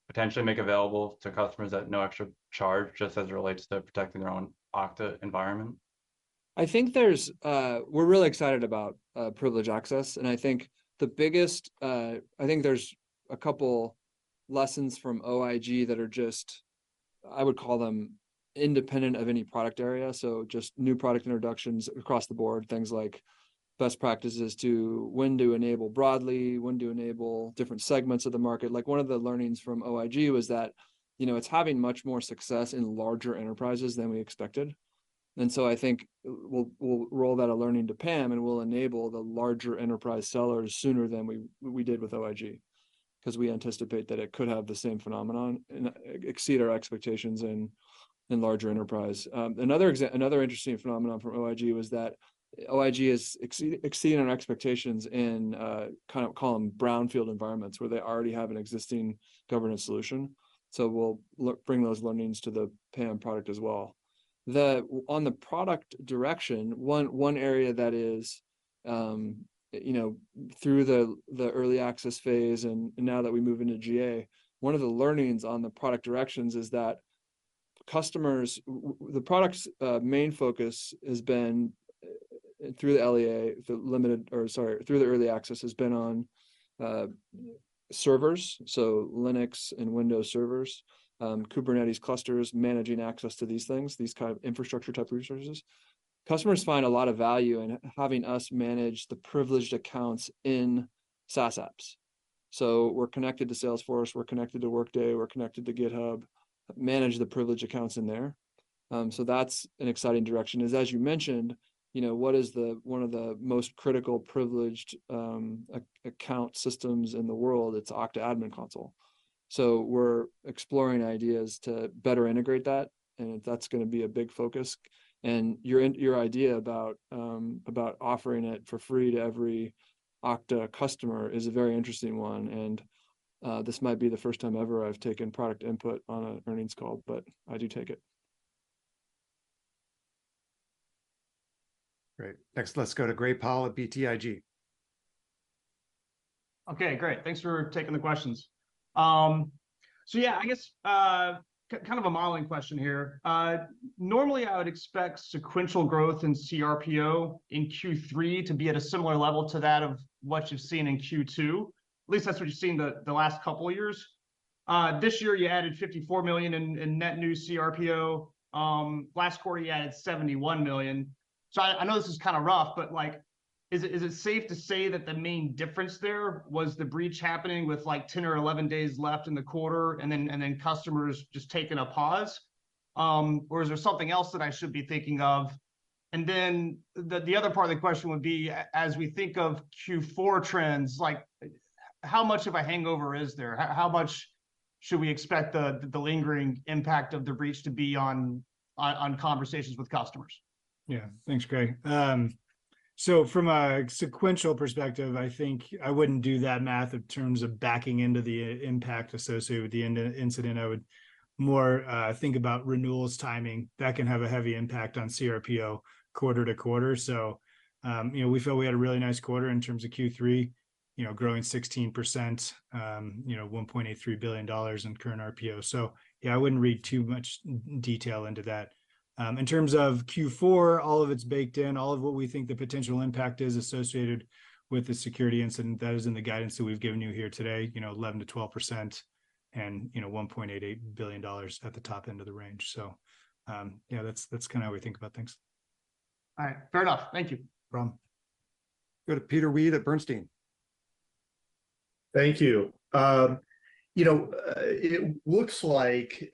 [SPEAKER 11] potentially make available to customers at no extra charge, just as it relates to protecting their own Okta environment?
[SPEAKER 2] I think there's... We're really excited about Privileged Access, and I think the biggest, I think there's a couple lessons from OIG that are just, I would call them, independent of any product area, so just new product introductions across the board. Things like best practices to when to enable broadly, when to enable different segments of the market. Like, one of the learnings from OIG was that, you know, it's having much more success in larger enterprises than we expected. And so I think we'll, we'll roll that learning to PAM, and we'll enable the larger enterprise sellers sooner than we, we did with OIG, 'cause we anticipate that it could have the same phenomenon and exceed our expectations in, in larger enterprise. Another interesting phenomenon from OIG was that OIG has exceeded our expectations in, kind of, call them brownfield environments, where they already have an existing governance solution. So we'll bring those learnings to the PAM product as well. On the product direction, one area that is, you know, through the early access phase and now that we move into GA, one of the learnings on the product directions is that customers- the product's main focus has been through the early access, has been on servers, so Linux and Windows servers, Kubernetes clusters, managing access to these things, these kind of infrastructure-type resources. Customers find a lot of value in having us manage the privileged accounts in SaaS apps. So we're connected to Salesforce, we're connected to Workday, we're connected to GitHub, manage the privileged accounts in there. So that's an exciting direction, as you mentioned, you know, what is one of the most critical, privileged account systems in the world? It's Okta Admin Console. So we're exploring ideas to better integrate that, and that's gonna be a big focus. And your idea about offering it for free to every Okta customer is a very interesting one, and this might be the first time ever I've taken product input on an earnings call, but I do take it.
[SPEAKER 1] Great. Next, let's go to Gray Powell at BTIG.
[SPEAKER 12] Okay, great. Thanks for taking the questions. So yeah, I guess, kind of a modeling question here. Normally I would expect sequential growth in CRPO in Q3 to be at a similar level to that of what you've seen in Q2. At least that's what you've seen the last couple of years. This year you added $54 million in net new CRPO. Last quarter you added $71 million. So I know this is kind of rough, but, like, is it safe to say that the main difference there was the breach happening with, like, 10 or 11 days left in the quarter, and then customers just taking a pause? Or is there something else that I should be thinking of? Then the other part of the question would be as we think of Q4 trends, like, how much of a hangover is there? How much should we expect the lingering impact of the breach to be on conversations with customers?
[SPEAKER 3] Yeah. Thanks, Gray. So from a sequential perspective, I think I wouldn't do that math in terms of backing into the impact associated with the incident. I would more think about renewals timing. That can have a heavy impact on CRPO quarter to quarter. So, you know, we feel we had a really nice quarter in terms of Q3, you know, growing 16%, you know, $1.83 billion in current RPO. So yeah, I wouldn't read too much detail into that. In terms of Q4, all of it's baked in, all of what we think the potential impact is associated with the security incident, that is in the guidance that we've given you here today, you know, 11%-12% and, you know, $1.88 billion at the top end of the range. Yeah, that's, that's kinda how we think about things.
[SPEAKER 12] All right. Fair enough. Thank you.
[SPEAKER 3] No problem.
[SPEAKER 1] Go to Peter Weed at Bernstein.
[SPEAKER 13] Thank you. You know, it looks like, you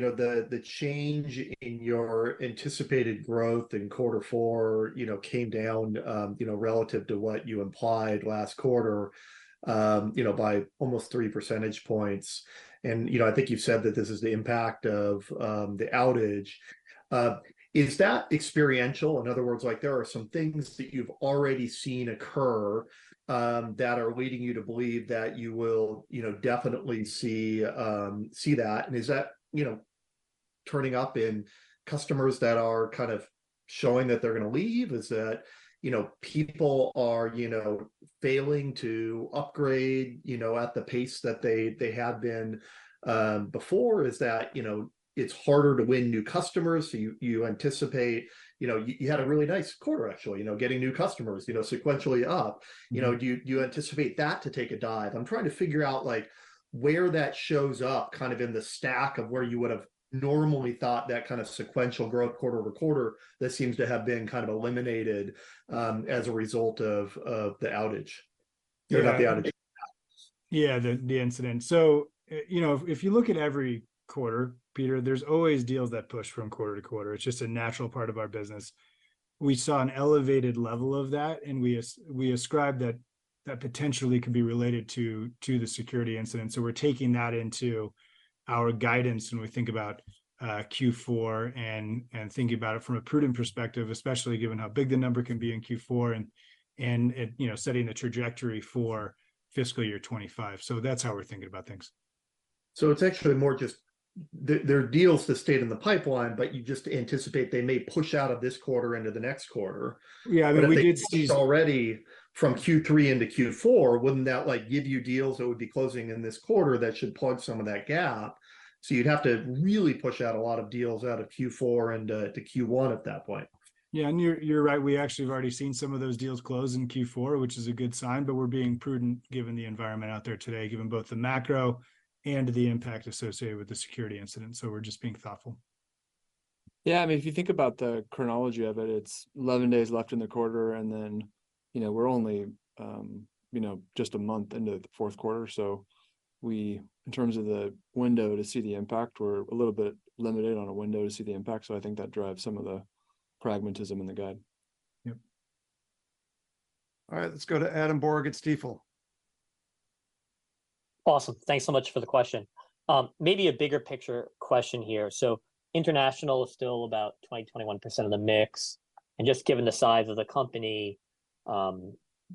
[SPEAKER 13] know, the change in your anticipated growth in quarter four, you know, came down, you know, relative to what you implied last quarter, you know, by almost 3 percentage points. And, you know, I think you've said that this is the impact of the outage. Is that experiential? In other words, like, there are some things that you've already seen occur, that are leading you to believe that you will, you know, definitely see that. And is that, you know, turning up in customers that are kind of showing that they're gonna leave? Is that, you know, people are, you know, failing to upgrade, you know, at the pace that they had been, before? Is that, you know, it's harder to win new customers, so you anticipate... You know, you had a really nice quarter actually, you know, getting new customers, you know, sequentially up. You know, do you anticipate that to take a dive? I'm trying to figure out, like, where that shows up kind of in the stack of where you would've normally thought that kind of sequential growth quarter-over-quarter that seems to have been kind of eliminated, as a result of the outage or not the outage.
[SPEAKER 3] Yeah, the, the incident. So, you know, if, if you look at every quarter, Peter, there's always deals that push from quarter to quarter. It's just a natural part of our business. We saw an elevated level of that, and we ascribe that, that potentially could be related to, to the security incident, so we're taking that into our guidance when we think about Q4 and, and, thinking about it from a prudent perspective, especially given how big the number can be in Q4, and, and, you know, setting the trajectory for fiscal year 2025. So that's how we're thinking about things.
[SPEAKER 13] So it's actually more just... There are deals that stayed in the pipeline, but you just anticipate they may push out of this quarter into the next quarter.
[SPEAKER 3] Yeah, I mean, we did see-
[SPEAKER 13] Already from Q3 into Q4, wouldn't that, like, give you deals that would be closing in this quarter that should plug some of that gap? So you'd have to really push out a lot of deals out of Q4 and to Q1 at that point.
[SPEAKER 3] Yeah, and you're right. We actually have already seen some of those deals close in Q4, which is a good sign, but we're being prudent given the environment out there today, given both the macro and the impact associated with the security incident, so we're just being thoughtful.
[SPEAKER 2] Yeah, I mean, if you think about the chronology of it, it's 11 days left in the quarter, and then, you know, we're only, you know, just a month into the fourth quarter. So, in terms of the window to see the impact, we're a little bit limited on a window to see the impact, so I think that drives some of the pragmatism in the guide.
[SPEAKER 1] Yep. All right, let's go to Adam Borg at Stifel.
[SPEAKER 14] Awesome. Thanks so much for the question. Maybe a bigger picture question here. So international is still about 20%-21% of the mix, and just given the size of the company,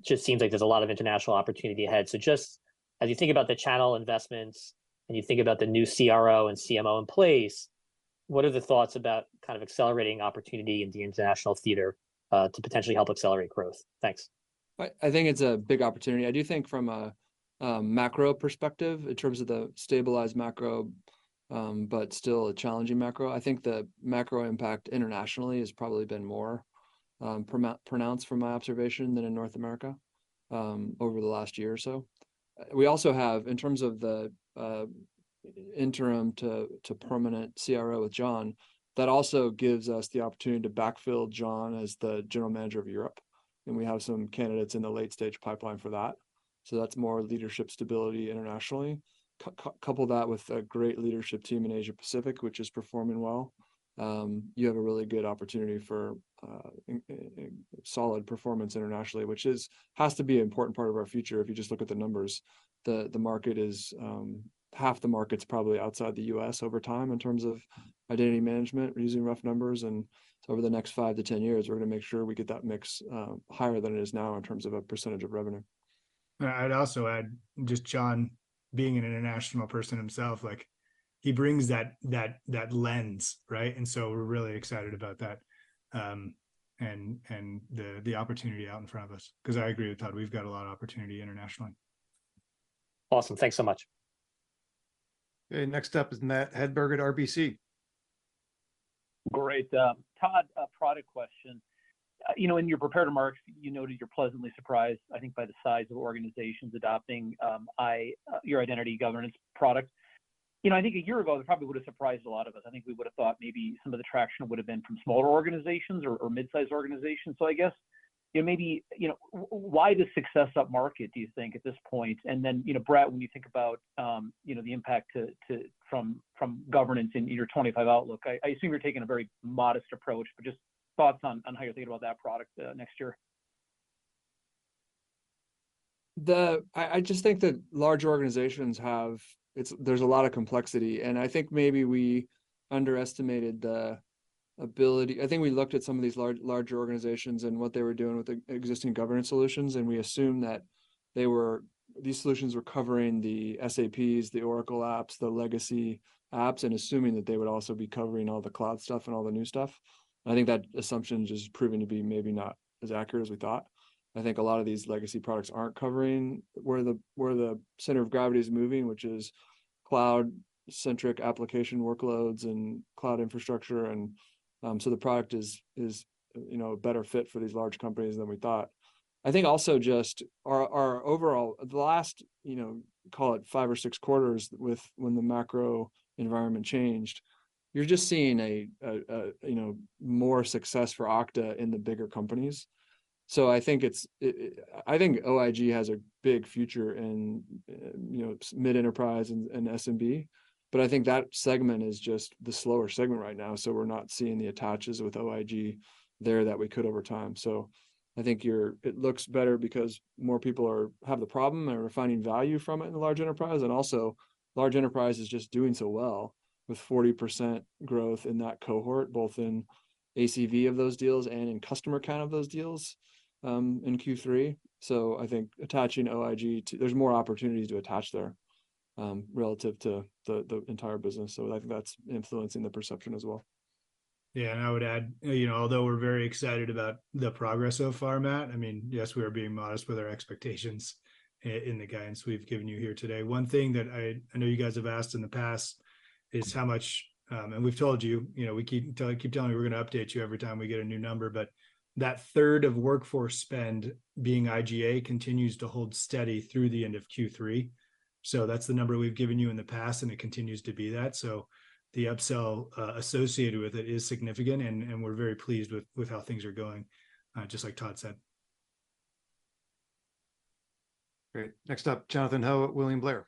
[SPEAKER 14] just seems like there's a lot of international opportunity ahead. So just as you think about the channel investments, and you think about the new CRO and CMO in place, what are the thoughts about kind of accelerating opportunity in the international theater, to potentially help accelerate growth? Thanks.
[SPEAKER 2] I think it's a big opportunity. I do think from a macro perspective, in terms of the stabilized macro, but still a challenging macro, I think the macro impact internationally has probably been more pronounced from my observation than in North America, over the last year or so. We also have, in terms of the interim to permanent CRO with John, that also gives us the opportunity to backfill John as the General Manager of Europe, and we have some candidates in the late-stage pipeline for that, so that's more leadership stability internationally. Couple that with a great leadership team in Asia Pacific, which is performing well, you have a really good opportunity for a solid performance internationally, which has to be an important part of our future if you just look at the numbers. The market is half the market's probably outside the U.S. over time in terms of identity management, using rough numbers, and so over the next five to 10 years, we're gonna make sure we get that mix higher than it is now in terms of a percentage of revenue.
[SPEAKER 3] And I'd also add, just John being an international person himself, like, he brings that lens, right? And so we're really excited about that, and the opportunity out in front of us, 'cause I agree with Todd, we've got a lot of opportunity internationally.
[SPEAKER 14] Awesome. Thanks so much. Okay, next up is Matt Hedberg at RBC.
[SPEAKER 15] Great. Todd, a product question. You know, in your prepared remarks, you noted you're pleasantly surprised, I think, by the size of organizations adopting your identity governance product. You know, I think a year ago, that probably would've surprised a lot of us. I think we would've thought maybe some of the traction would've been from smaller organizations or mid-sized organizations. So I guess- Yeah, maybe, you know, why the success upmarket, do you think, at this point? And then, you know, Brett, when you think about, you know, the impact to from governance in your 2025 outlook, I assume you're taking a very modest approach, but just thoughts on how you're thinking about that product next year.
[SPEAKER 2] I just think that large organizations have—it's, there's a lot of complexity, and I think maybe we underestimated the ability. I think we looked at some of these large, larger organizations and what they were doing with the existing governance solutions, and we assumed that they were—these solutions were covering the SaaS, the Oracle apps, the legacy apps, and assuming that they would also be covering all the cloud stuff and all the new stuff. I think that assumption is just proving to be maybe not as accurate as we thought. I think a lot of these legacy products aren't covering where the center of gravity is moving, which is cloud-centric application workloads and cloud infrastructure. And, so the product is, you know, a better fit for these large companies than we thought. I think also just our overall the last, you know, call it five or six quarters when the macro environment changed, you're just seeing, you know, more success for Okta in the bigger companies. So I think it's, I think OIG has a big future in, you know, mid-enterprise and SMB, but I think that segment is just the slower segment right now, so we're not seeing the attaches with OIG there that we could over time. So I think you're it looks better because more people are have the problem and are finding value from it in the large enterprise. And also, large enterprise is just doing so well, with 40% growth in that cohort, both in ACV of those deals and in customer count of those deals in Q3. I think attaching OIG to, there's more opportunities to attach there, relative to the entire business, so I think that's influencing the perception as well.
[SPEAKER 3] Yeah, and I would add, you know, although we're very excited about the progress so far, Matt, I mean, yes, we are being modest with our expectations in the guidance we've given you here today. One thing that I know you guys have asked in the past is how much. And we've told you, you know, we keep telling you we're gonna update you every time we get a new number, but that third of workforce spend being IGA continues to hold steady through the end of Q3. So that's the number we've given you in the past, and it continues to be that. So the upsell associated with it is significant, and we're very pleased with how things are going, just like Todd said.
[SPEAKER 1] Great. Next up, Jonathan Ho, William Blair.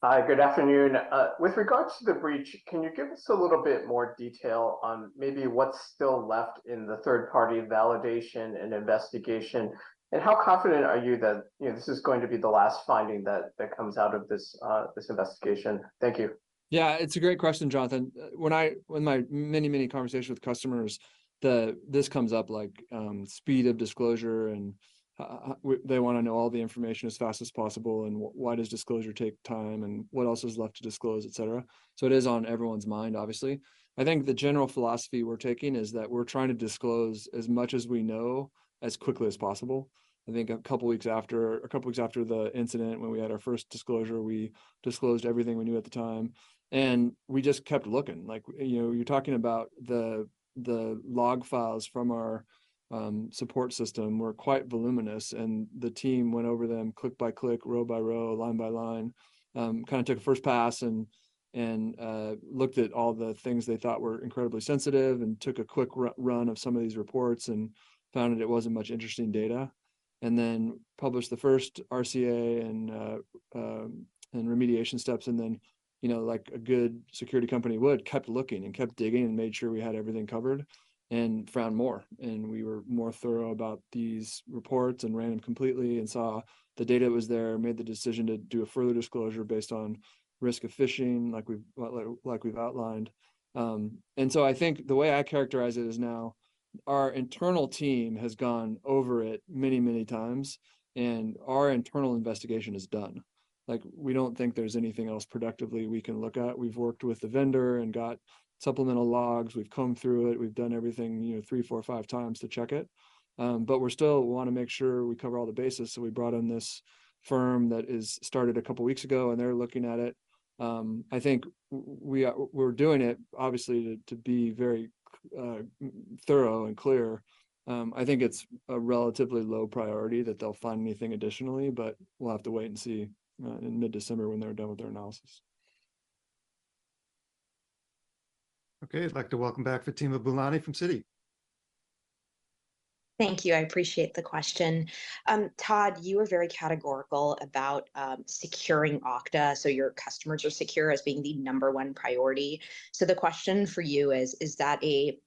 [SPEAKER 16] Hi, good afternoon. With regards to the breach, can you give us a little bit more detail on maybe what's still left in the third-party validation and investigation? And how confident are you that, you know, this is going to be the last finding that comes out of this investigation? Thank you.
[SPEAKER 2] Yeah, it's a great question, Jonathan. When in my many, many conversations with customers, this comes up like, speed of disclosure, and they wanna know all the information as fast as possible, and why does disclosure take time, and what else is left to disclose, et cetera. So it is on everyone's mind, obviously. I think the general philosophy we're taking is that we're trying to disclose as much as we know as quickly as possible. I think a couple weeks after, a couple weeks after the incident, when we had our first disclosure, we disclosed everything we knew at the time, and we just kept looking. Like, you know, you're talking about the log files from our support system were quite voluminous, and the team went over them click by click, row by row, line by line. Kinda took a first pass and looked at all the things they thought were incredibly sensitive and took a quick run of some of these reports and found that it wasn't much interesting data. And then published the first RCA and remediation steps, and then, you know, like a good security company would, kept looking and kept digging and made sure we had everything covered and found more. And we were more thorough about these reports and ran them completely and saw the data that was there, made the decision to do a further disclosure based on risk of phishing, like we've, well, like we've outlined. And so I think the way I characterize it is now our internal team has gone over it many, many times, and our internal investigation is done. Like, we don't think there's anything else productively we can look at. We've worked with the vendor and got supplemental logs, we've combed through it, we've done everything, you know, 3, 4, or 5x to check it. But we're still wanna make sure we cover all the bases, so we brought in this firm that is started a couple weeks ago, and they're looking at it. I think we, we're doing it obviously to be very thorough and clear. I think it's a relatively low priority that they'll find anything additionally, but we'll have to wait and see in mid-December when they're done with their analysis.
[SPEAKER 1] Okay, I'd like to welcome back Fatima Boolani from Citi.
[SPEAKER 17] Thank you. I appreciate the question. Todd, you were very categorical about securing Okta, so your customers are secure as being the number one priority. So the question for you is, is that a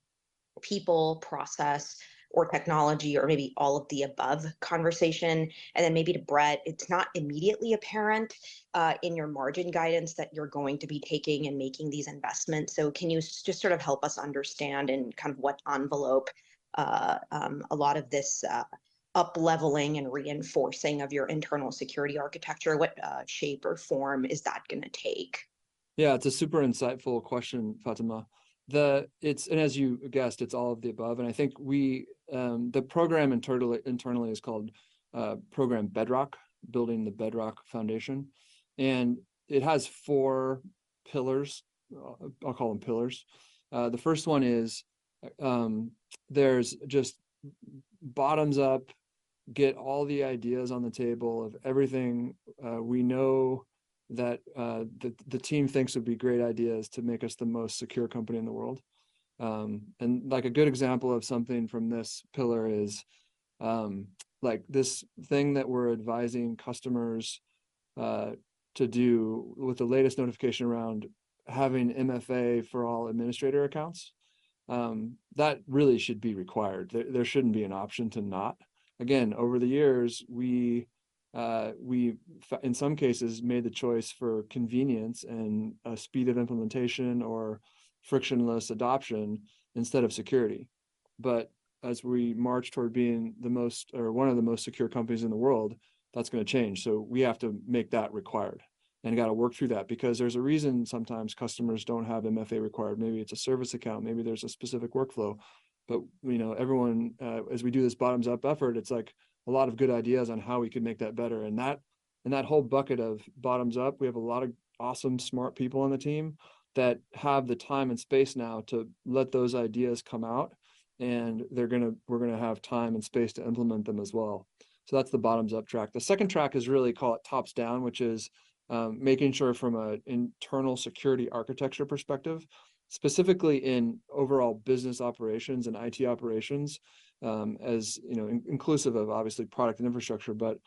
[SPEAKER 17] people process or technology, or maybe all of the above conversation? And then maybe to Brett, it's not immediately apparent in your margin guidance that you're going to be taking and making these investments. So can you just sort of help us understand and kind of what envelope a lot of this upleveling and reinforcing of your internal security architecture, what shape or form is that gonna take?
[SPEAKER 2] Yeah, it's a super insightful question, Fatima. It's, and as you guessed, it's all of the above, and I think we, the program internally is called Program Bedrock, Building the Bedrock Foundation, and it has four pillars. I'll call them pillars. The first one is, there's just bottoms up get all the ideas on the table of everything we know that the team thinks would be great ideas to make us the most secure company in the world. And like a good example of something from this pillar is, like this thing that we're advising customers to do with the latest notification around having MFA for all administrator accounts, that really should be required. There, there shouldn't be an option to not. Again, over the years, we, we in some cases, made the choice for convenience and, speed of implementation or frictionless adoption instead of security. But as we march toward being the most, or one of the most secure companies in the world, that's gonna change. So we have to make that required and gotta work through that. Because there's a reason sometimes customers don't have MFA required. Maybe it's a service account, maybe there's a specific workflow, but, you know, everyone, as we do this bottoms-up effort, it's like a lot of good ideas on how we can make that better. And that, and that whole bucket of bottoms up, we have a lot of awesome, smart people on the team that have the time and space now to let those ideas come out, and they're gonna- we're gonna have time and space to implement them as well. So that's the bottoms-up track. The second track is really call it tops-down, which is, making sure from an internal security architecture perspective, specifically in overall business operations and IT operations, as, you know, inclusive of obviously product and infrastructure. But,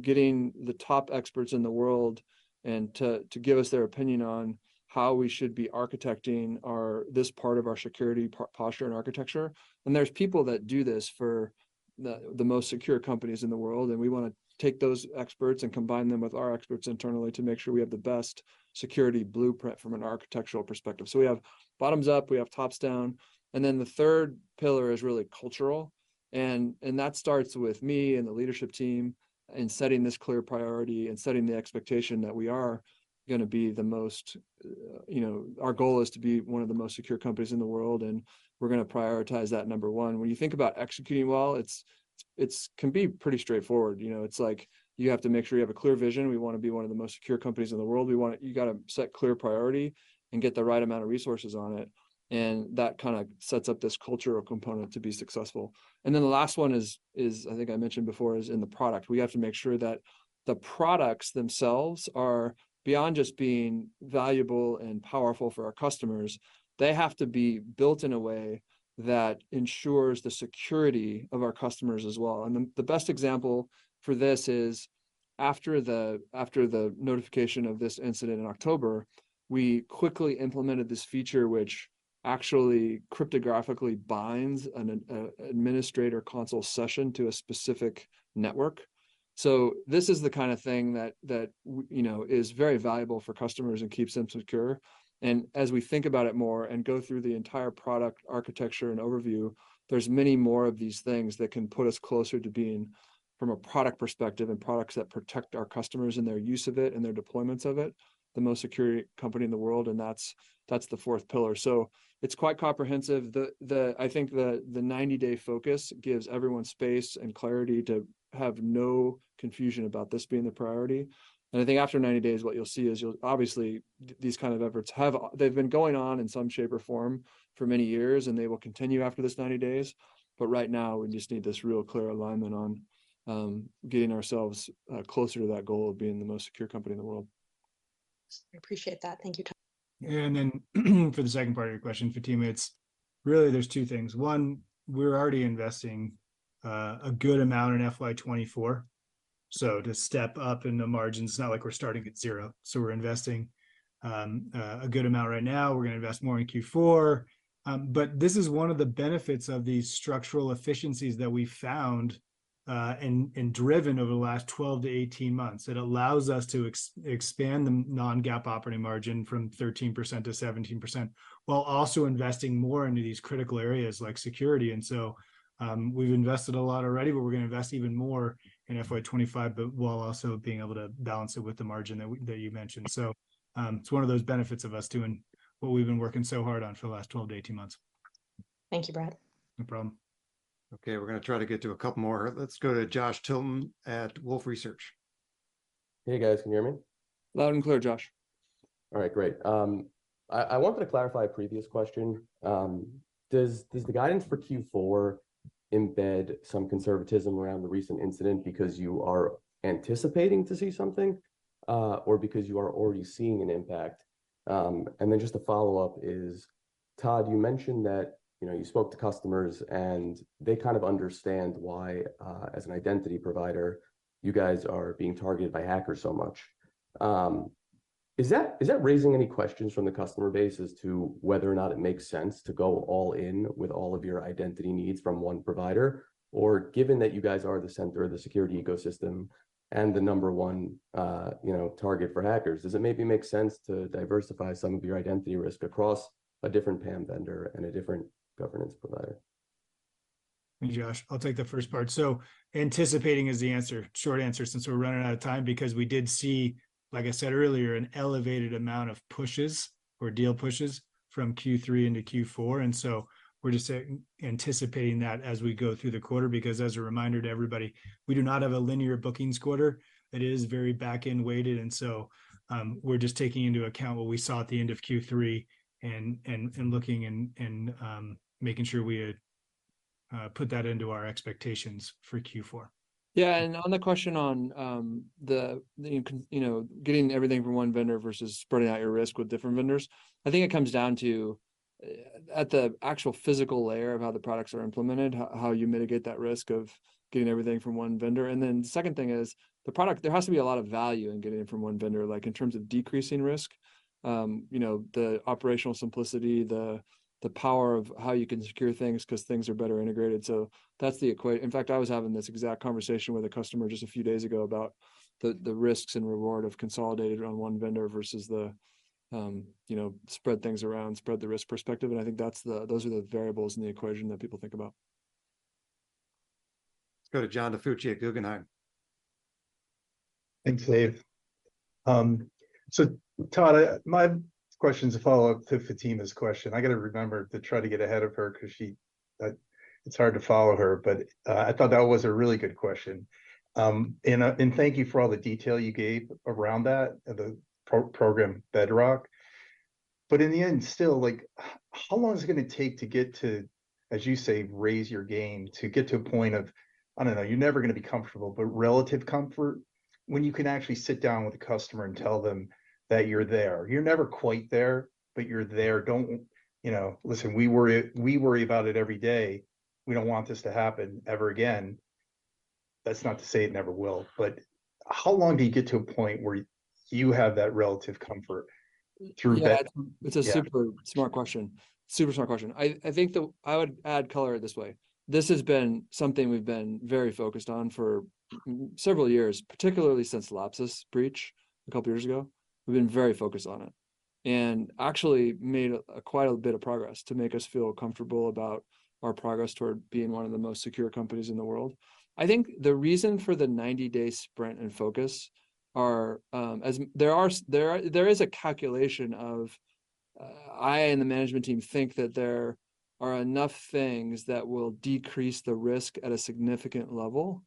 [SPEAKER 2] getting the top experts in the world and to give us their opinion on how we should be architecting our- this part of our security posture and architecture. And there's people that do this for the most secure companies in the world, and we wanna take those experts and combine them with our experts internally to make sure we have the best security blueprint from an architectural perspective. So we have bottoms up, we have tops down, and then the third pillar is really cultural, and that starts with me and the leadership team, in setting this clear priority and setting the expectation that we are gonna be the most secure companies in the world. You know, our goal is to be one of the most secure companies in the world, and we're gonna prioritize that, number one. When you think about executing well, it can be pretty straightforward. You know, it's like you have to make sure you have a clear vision. We wanna be one of the most secure companies in the world. We want to, you gotta set clear priority and get the right amount of resources on it, and that kinda sets up this cultural component to be successful. And then the last one, I think I mentioned before, is in the product. We have to make sure that the products themselves are beyond just being valuable and powerful for our customers. They have to be built in a way that ensures the security of our customers as well. And the best example for this is, after the notification of this incident in October, we quickly implemented this feature, which actually cryptographically binds an administrator console session to a specific network. So this is the kind of thing that you know, is very valuable for customers and keeps them secure. As we think about it more and go through the entire product, architecture, and overview, there's many more of these things that can put us closer to being, from a product perspective and products that protect our customers and their use of it and their deployments of it, the most secure company in the world, and that's the fourth pillar. So it's quite comprehensive. I think the 90-day focus gives everyone space and clarity to have no confusion about this being the priority. I think after 90 days, what you'll see is you'll obviously, these kind of efforts have they've been going on in some shape or form for many years, and they will continue after this 90 days, but right now, we just need this real clear alignment on getting ourselves closer to that goal of being the most secure company in the world.
[SPEAKER 17] I appreciate that. Thank you, Todd.
[SPEAKER 3] And then, for the second part of your question, Fatima, it's really, there's two things. One, we're already investing a good amount in FY 2024, so to step up in the margin, it's not like we're starting at zero. So we're investing a good amount right now. We're gonna invest more in Q4. But this is one of the benefits of the structural efficiencies that we found and driven over the last 12-18 months. It allows us to expand the non-GAAP operating margin from 13%-17%, while also investing more into these critical areas like security. And so, we've invested a lot already, but we're gonna invest even more in FY 2025, but while also being able to balance it with the margin that you mentioned. So, it's one of those benefits of us doing what we've been working so hard on for the last 12-18 months.
[SPEAKER 17] Thank you, Brett.
[SPEAKER 3] No problem.
[SPEAKER 1] Okay, we're gonna try to get to a couple more. Let's go to Josh Tilton at Wolfe Research.
[SPEAKER 18] Hey, guys, can you hear me?
[SPEAKER 3] Loud and clear, Josh.
[SPEAKER 18] All right, great. I wanted to clarify a previous question. Does the guidance for Q4 embed some conservatism around the recent incident because you are anticipating to see something, or because you are already seeing an impact? And then just a follow-up is, Todd, you mentioned that, you know, you spoke to customers, and they kind of understand why, as an identity provider, you guys are being targeted by hackers so much. Is that raising any questions from the customer base as to whether or not it makes sense to go all in with all of your identity needs from one provider? Or given that you guys are the center of the security ecosystem and the number one, you know, target for hackers, does it maybe make sense to diversify some of your identity risk across a different PAM vendor and a different governance provider?
[SPEAKER 3] Thank you, Josh. I'll take the first part. So anticipating is the answer, short answer, since we're running out of time, because we did see, like I said earlier, an elevated amount of pushes or deal pushes from Q3 into Q4. And so we're just anticipating that as we go through the quarter, because as a reminder to everybody, we do not have a linear bookings quarter. It is very back-end weighted, and so we're just taking into account what we saw at the end of Q3 and looking and making sure we are-... put that into our expectations for Q4.
[SPEAKER 2] Yeah, and on the question on you know, getting everything from one vendor versus spreading out your risk with different vendors, I think it comes down to at the actual physical layer of how the products are implemented, how you mitigate that risk of getting everything from one vendor. Then the second thing is, the product, there has to be a lot of value in getting it from one vendor, like in terms of decreasing risk, you know, the operational simplicity, the power of how you can secure things 'cause things are better integrated, so that's the equa- In fact, I was having this exact conversation with a customer just a few days ago about the risks and reward of consolidated around one vendor versus the, you know, spread things around, spread the risk perspective, and I think that's the- those are the variables in the equation that people think about.
[SPEAKER 1] Let's go to John DiFucci at Guggenheim.
[SPEAKER 19] Thanks, Dave. So Todd, my question is a follow-up to Fatima's question. I gotta remember to try to get ahead of her, 'cause she, it's hard to follow her, but I thought that was a really good question. And thank you for all the detail you gave around that, the program Bedrock. But in the end, still, like, how long is it gonna take to get to, as you say, raise your game, to get to a point of, I don't know, you're never gonna be comfortable, but relative comfort, when you can actually sit down with a customer and tell them that you're there? You're never quite there, but you're there. Don't... You know, listen, we worry, we worry about it every day. We don't want this to happen ever again. That's not to say it never will, but how long do you get to a point where you have that relative comfort through that?
[SPEAKER 2] It's a super smart question. Super smart question. I think the... I would add color this way. This has been something we've been very focused on for several years, particularly since the Lapsus breach a couple years ago. We've been very focused on it, and actually made quite a bit of progress to make us feel comfortable about our progress toward being one of the most secure companies in the world. I think the reason for the 90-day sprint and focus are there is a calculation of I and the management team think that there are enough things that will decrease the risk at a significant level.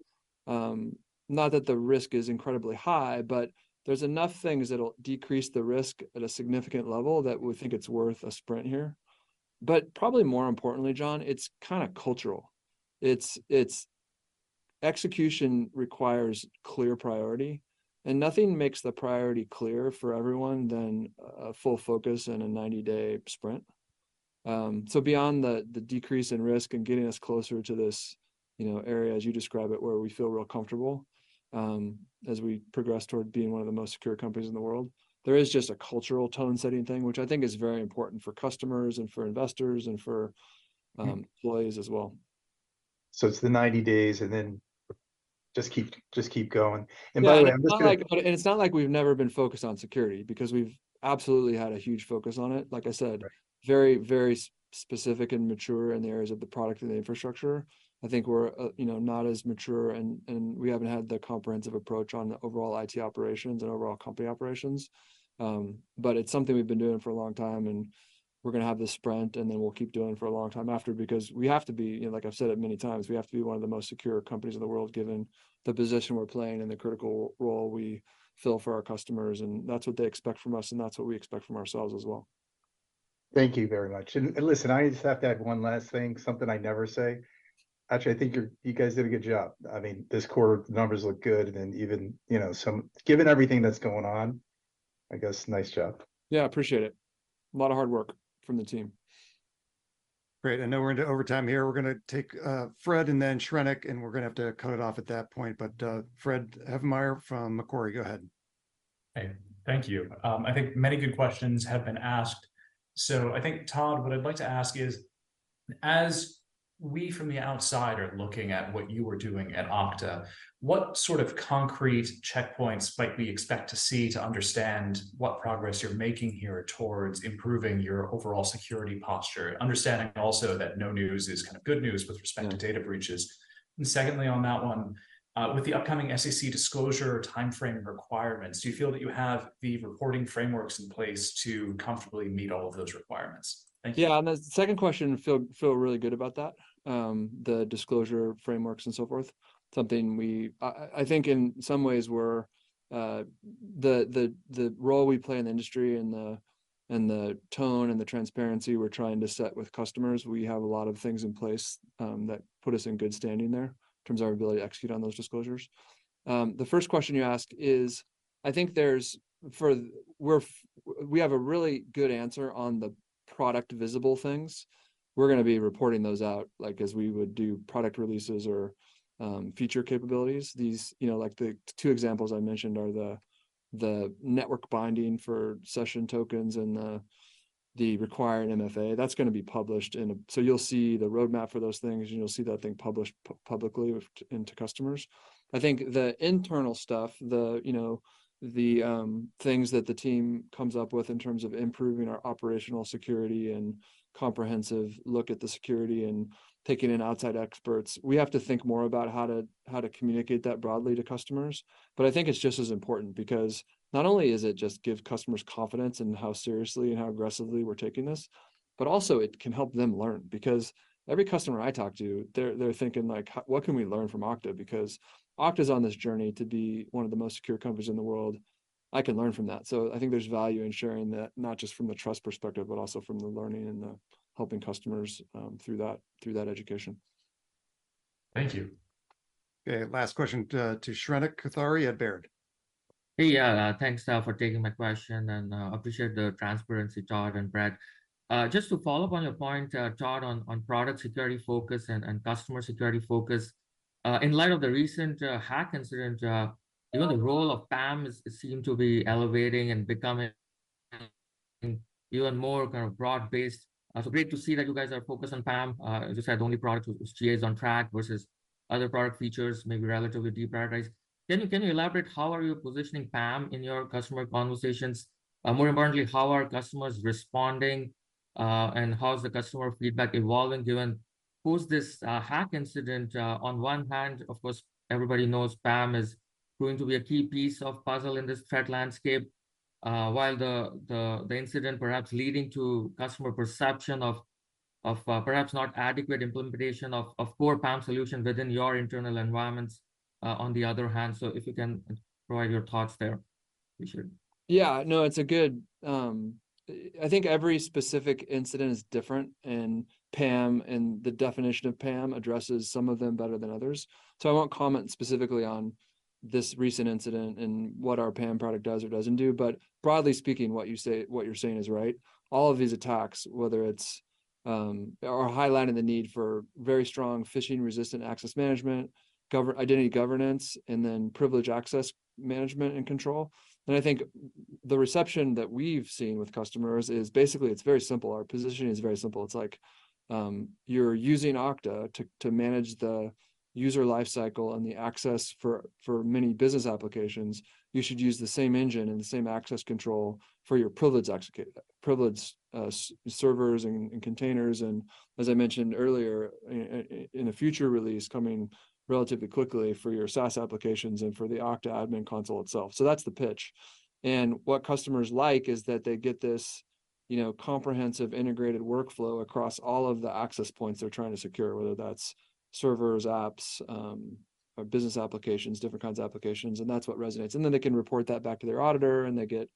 [SPEAKER 2] Not that the risk is incredibly high, but there's enough things that'll decrease the risk at a significant level that we think it's worth a sprint here. But probably more importantly, John, it's kinda cultural. It's execution requires clear priority, and nothing makes the priority clearer for everyone than a full focus and a 90-day sprint. So beyond the decrease in risk and getting us closer to this, you know, area, as you describe it, where we feel real comfortable, as we progress toward being one of the most secure companies in the world, there is just a cultural tone-setting thing, which I think is very important for customers and for investors and for employees as well.
[SPEAKER 19] It's the 90 days, and then just keep, just keep going
[SPEAKER 2] (audio distortion) it's not like we've never been focused on security, because we've absolutely had a huge focus on it. Like I said very, very specific and mature in the areas of the product and the infrastructure. I think we're, you know, not as mature and we haven't had the comprehensive approach on the overall IT operations and overall company operations. But it's something we've been doing for a long time, and we're gonna have this sprint, and then we'll keep doing it for a long time after, because we have to be, you know, like I've said it many times, we have to be one of the most secure companies in the world, given the position we're playing and the critical role we fill for our customers, and that's what they expect from us, and that's what we expect from ourselves as well.
[SPEAKER 19] Thank you very much. And listen, I just have to add one last thing, something I never say: actually, I think you're- you guys did a good job. I mean, this quarter, the numbers look good, and even, you know, some... Given everything that's going on, I guess, nice job.
[SPEAKER 2] Yeah, appreciate it. A lot of hard work from the team.
[SPEAKER 1] Great. I know we're into overtime here. We're gonna take, Fred and then Shrenik, and we're gonna have to cut it off at that point. But, Fred Havemeyer from Macquarie, go ahead.
[SPEAKER 20] Hey, thank you. I think many good questions have been asked. So I think, Todd, what I'd like to ask is, as we from the outside are looking at what you are doing at Okta, what sort of concrete checkpoints might we expect to see to understand what progress you're making here towards improving your overall security posture? Understanding also that no news is kind of good news with respect to data breaches. And secondly, on that one, with the upcoming SEC disclosure timeframe requirements, do you feel that you have the reporting frameworks in place to comfortably meet all of those requirements? Thank you.
[SPEAKER 2] Yeah, on the second question, feel really good about that, the disclosure frameworks and so forth. Something we... I think in some ways we're the role we play in the industry and the tone and the transparency we're trying to set with customers, we have a lot of things in place that put us in good standing there in terms of our ability to execute on those disclosures. The first question you asked is, I think there's, we have a really good answer on the product visible things. We're gonna be reporting those out, like, as we would do product releases or feature capabilities. These, you know, like the two examples I mentioned are the network binding for session tokens and the required MFA. That's gonna be published in a... So you'll see the roadmap for those things, and you'll see that thing published publicly to customers. I think the internal stuff, you know, the things that the team comes up with in terms of improving our operational security and comprehensive look at the security and taking in outside experts, we have to think more about how to, how to communicate that broadly to customers. But I think it's just as important, because not only is it just give customers confidence in how seriously and how aggressively we're taking this, but also it can help them learn. Because every customer I talk to, they're thinking, like, "What can we learn from Okta?" Because Okta's on this journey to be one of the most secure companies in the world. I can learn from that. I think there's value in sharing that, not just from the trust perspective, but also from the learning and the helping customers, through that, through that education.
[SPEAKER 20] Thank you.
[SPEAKER 1] Okay, last question to Shrenik Kothari at Baird.
[SPEAKER 21] Hey, yeah, thanks, Todd, for taking my question, and, appreciate the transparency, Todd and Brad. Just to follow up on your point, Todd, on product security focus and customer security focus, in light of the recent hack incident, you know, the role of PAM is seem to be elevating and becoming even more kind of broad-based. So great to see that you guys are focused on PAM. You just had the only product which GAs on track versus other product features, maybe relatively deprioritized. Can you, can you elaborate, how are you positioning PAM in your customer conversations? More importantly, how are customers responding, and how is the customer feedback evolving, given post this hack incident? On one hand, of course, everybody knows PAM is going to be a key piece of puzzle in this threat landscape, while the incident perhaps leading to customer perception of perhaps not adequate implementation of poor PAM solution within your internal environments, on the other hand. So if you can provide your thoughts there, appreciate it.
[SPEAKER 2] Yeah, no, it's a good. I think every specific incident is different, and PAM, and the definition of PAM addresses some of them better than others. So I won't comment specifically on this recent incident and what our PAM product does or doesn't do, but broadly speaking, what you say- what you're saying is right. All of these attacks, whether it's, are highlighting the need for very strong phishing-resistant access management, identity governance, and then privileged access management and control. And I think the reception that we've seen with customers is basically, it's very simple. Our positioning is very simple. It's like, you're using Okta to manage the user life cycle and the access for many business applications, you should use the same engine and the same access control for your privileged servers and containers, and as I mentioned earlier, in a future release, coming relatively quickly for your SaaS applications and for the Okta admin console itself. So that's the pitch. And what customers like is that they get this, you know, comprehensive, integrated workflow across all of the access points they're trying to secure, whether that's servers, apps, or business applications, different kinds of applications, and that's what resonates. And then they can report that back to their auditor, and they get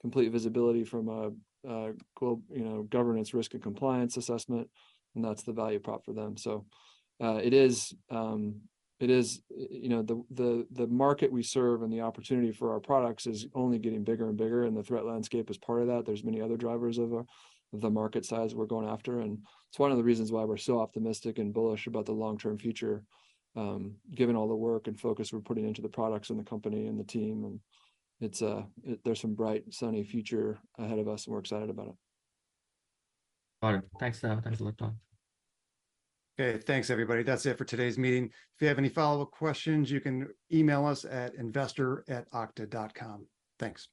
[SPEAKER 2] complete visibility from a global, you know, governance, risk, and compliance assessment, and that's the value prop for them. So, it is, it is, you know, the market we serve and the opportunity for our products is only getting bigger and bigger, and the threat landscape is part of that. There's many other drivers of the market size we're going after, and it's one of the reasons why we're so optimistic and bullish about the long-term future, given all the work and focus we're putting into the products and the company and the team, and it's, there's some bright, sunny future ahead of us, and we're excited about it.
[SPEAKER 21] Got it. Thanks, Todd. Thanks a lot, Todd.
[SPEAKER 1] Okay, thanks, everybody. That's it for today's meeting. If you have any follow-up questions, you can email us at investor@okta.com. Thanks.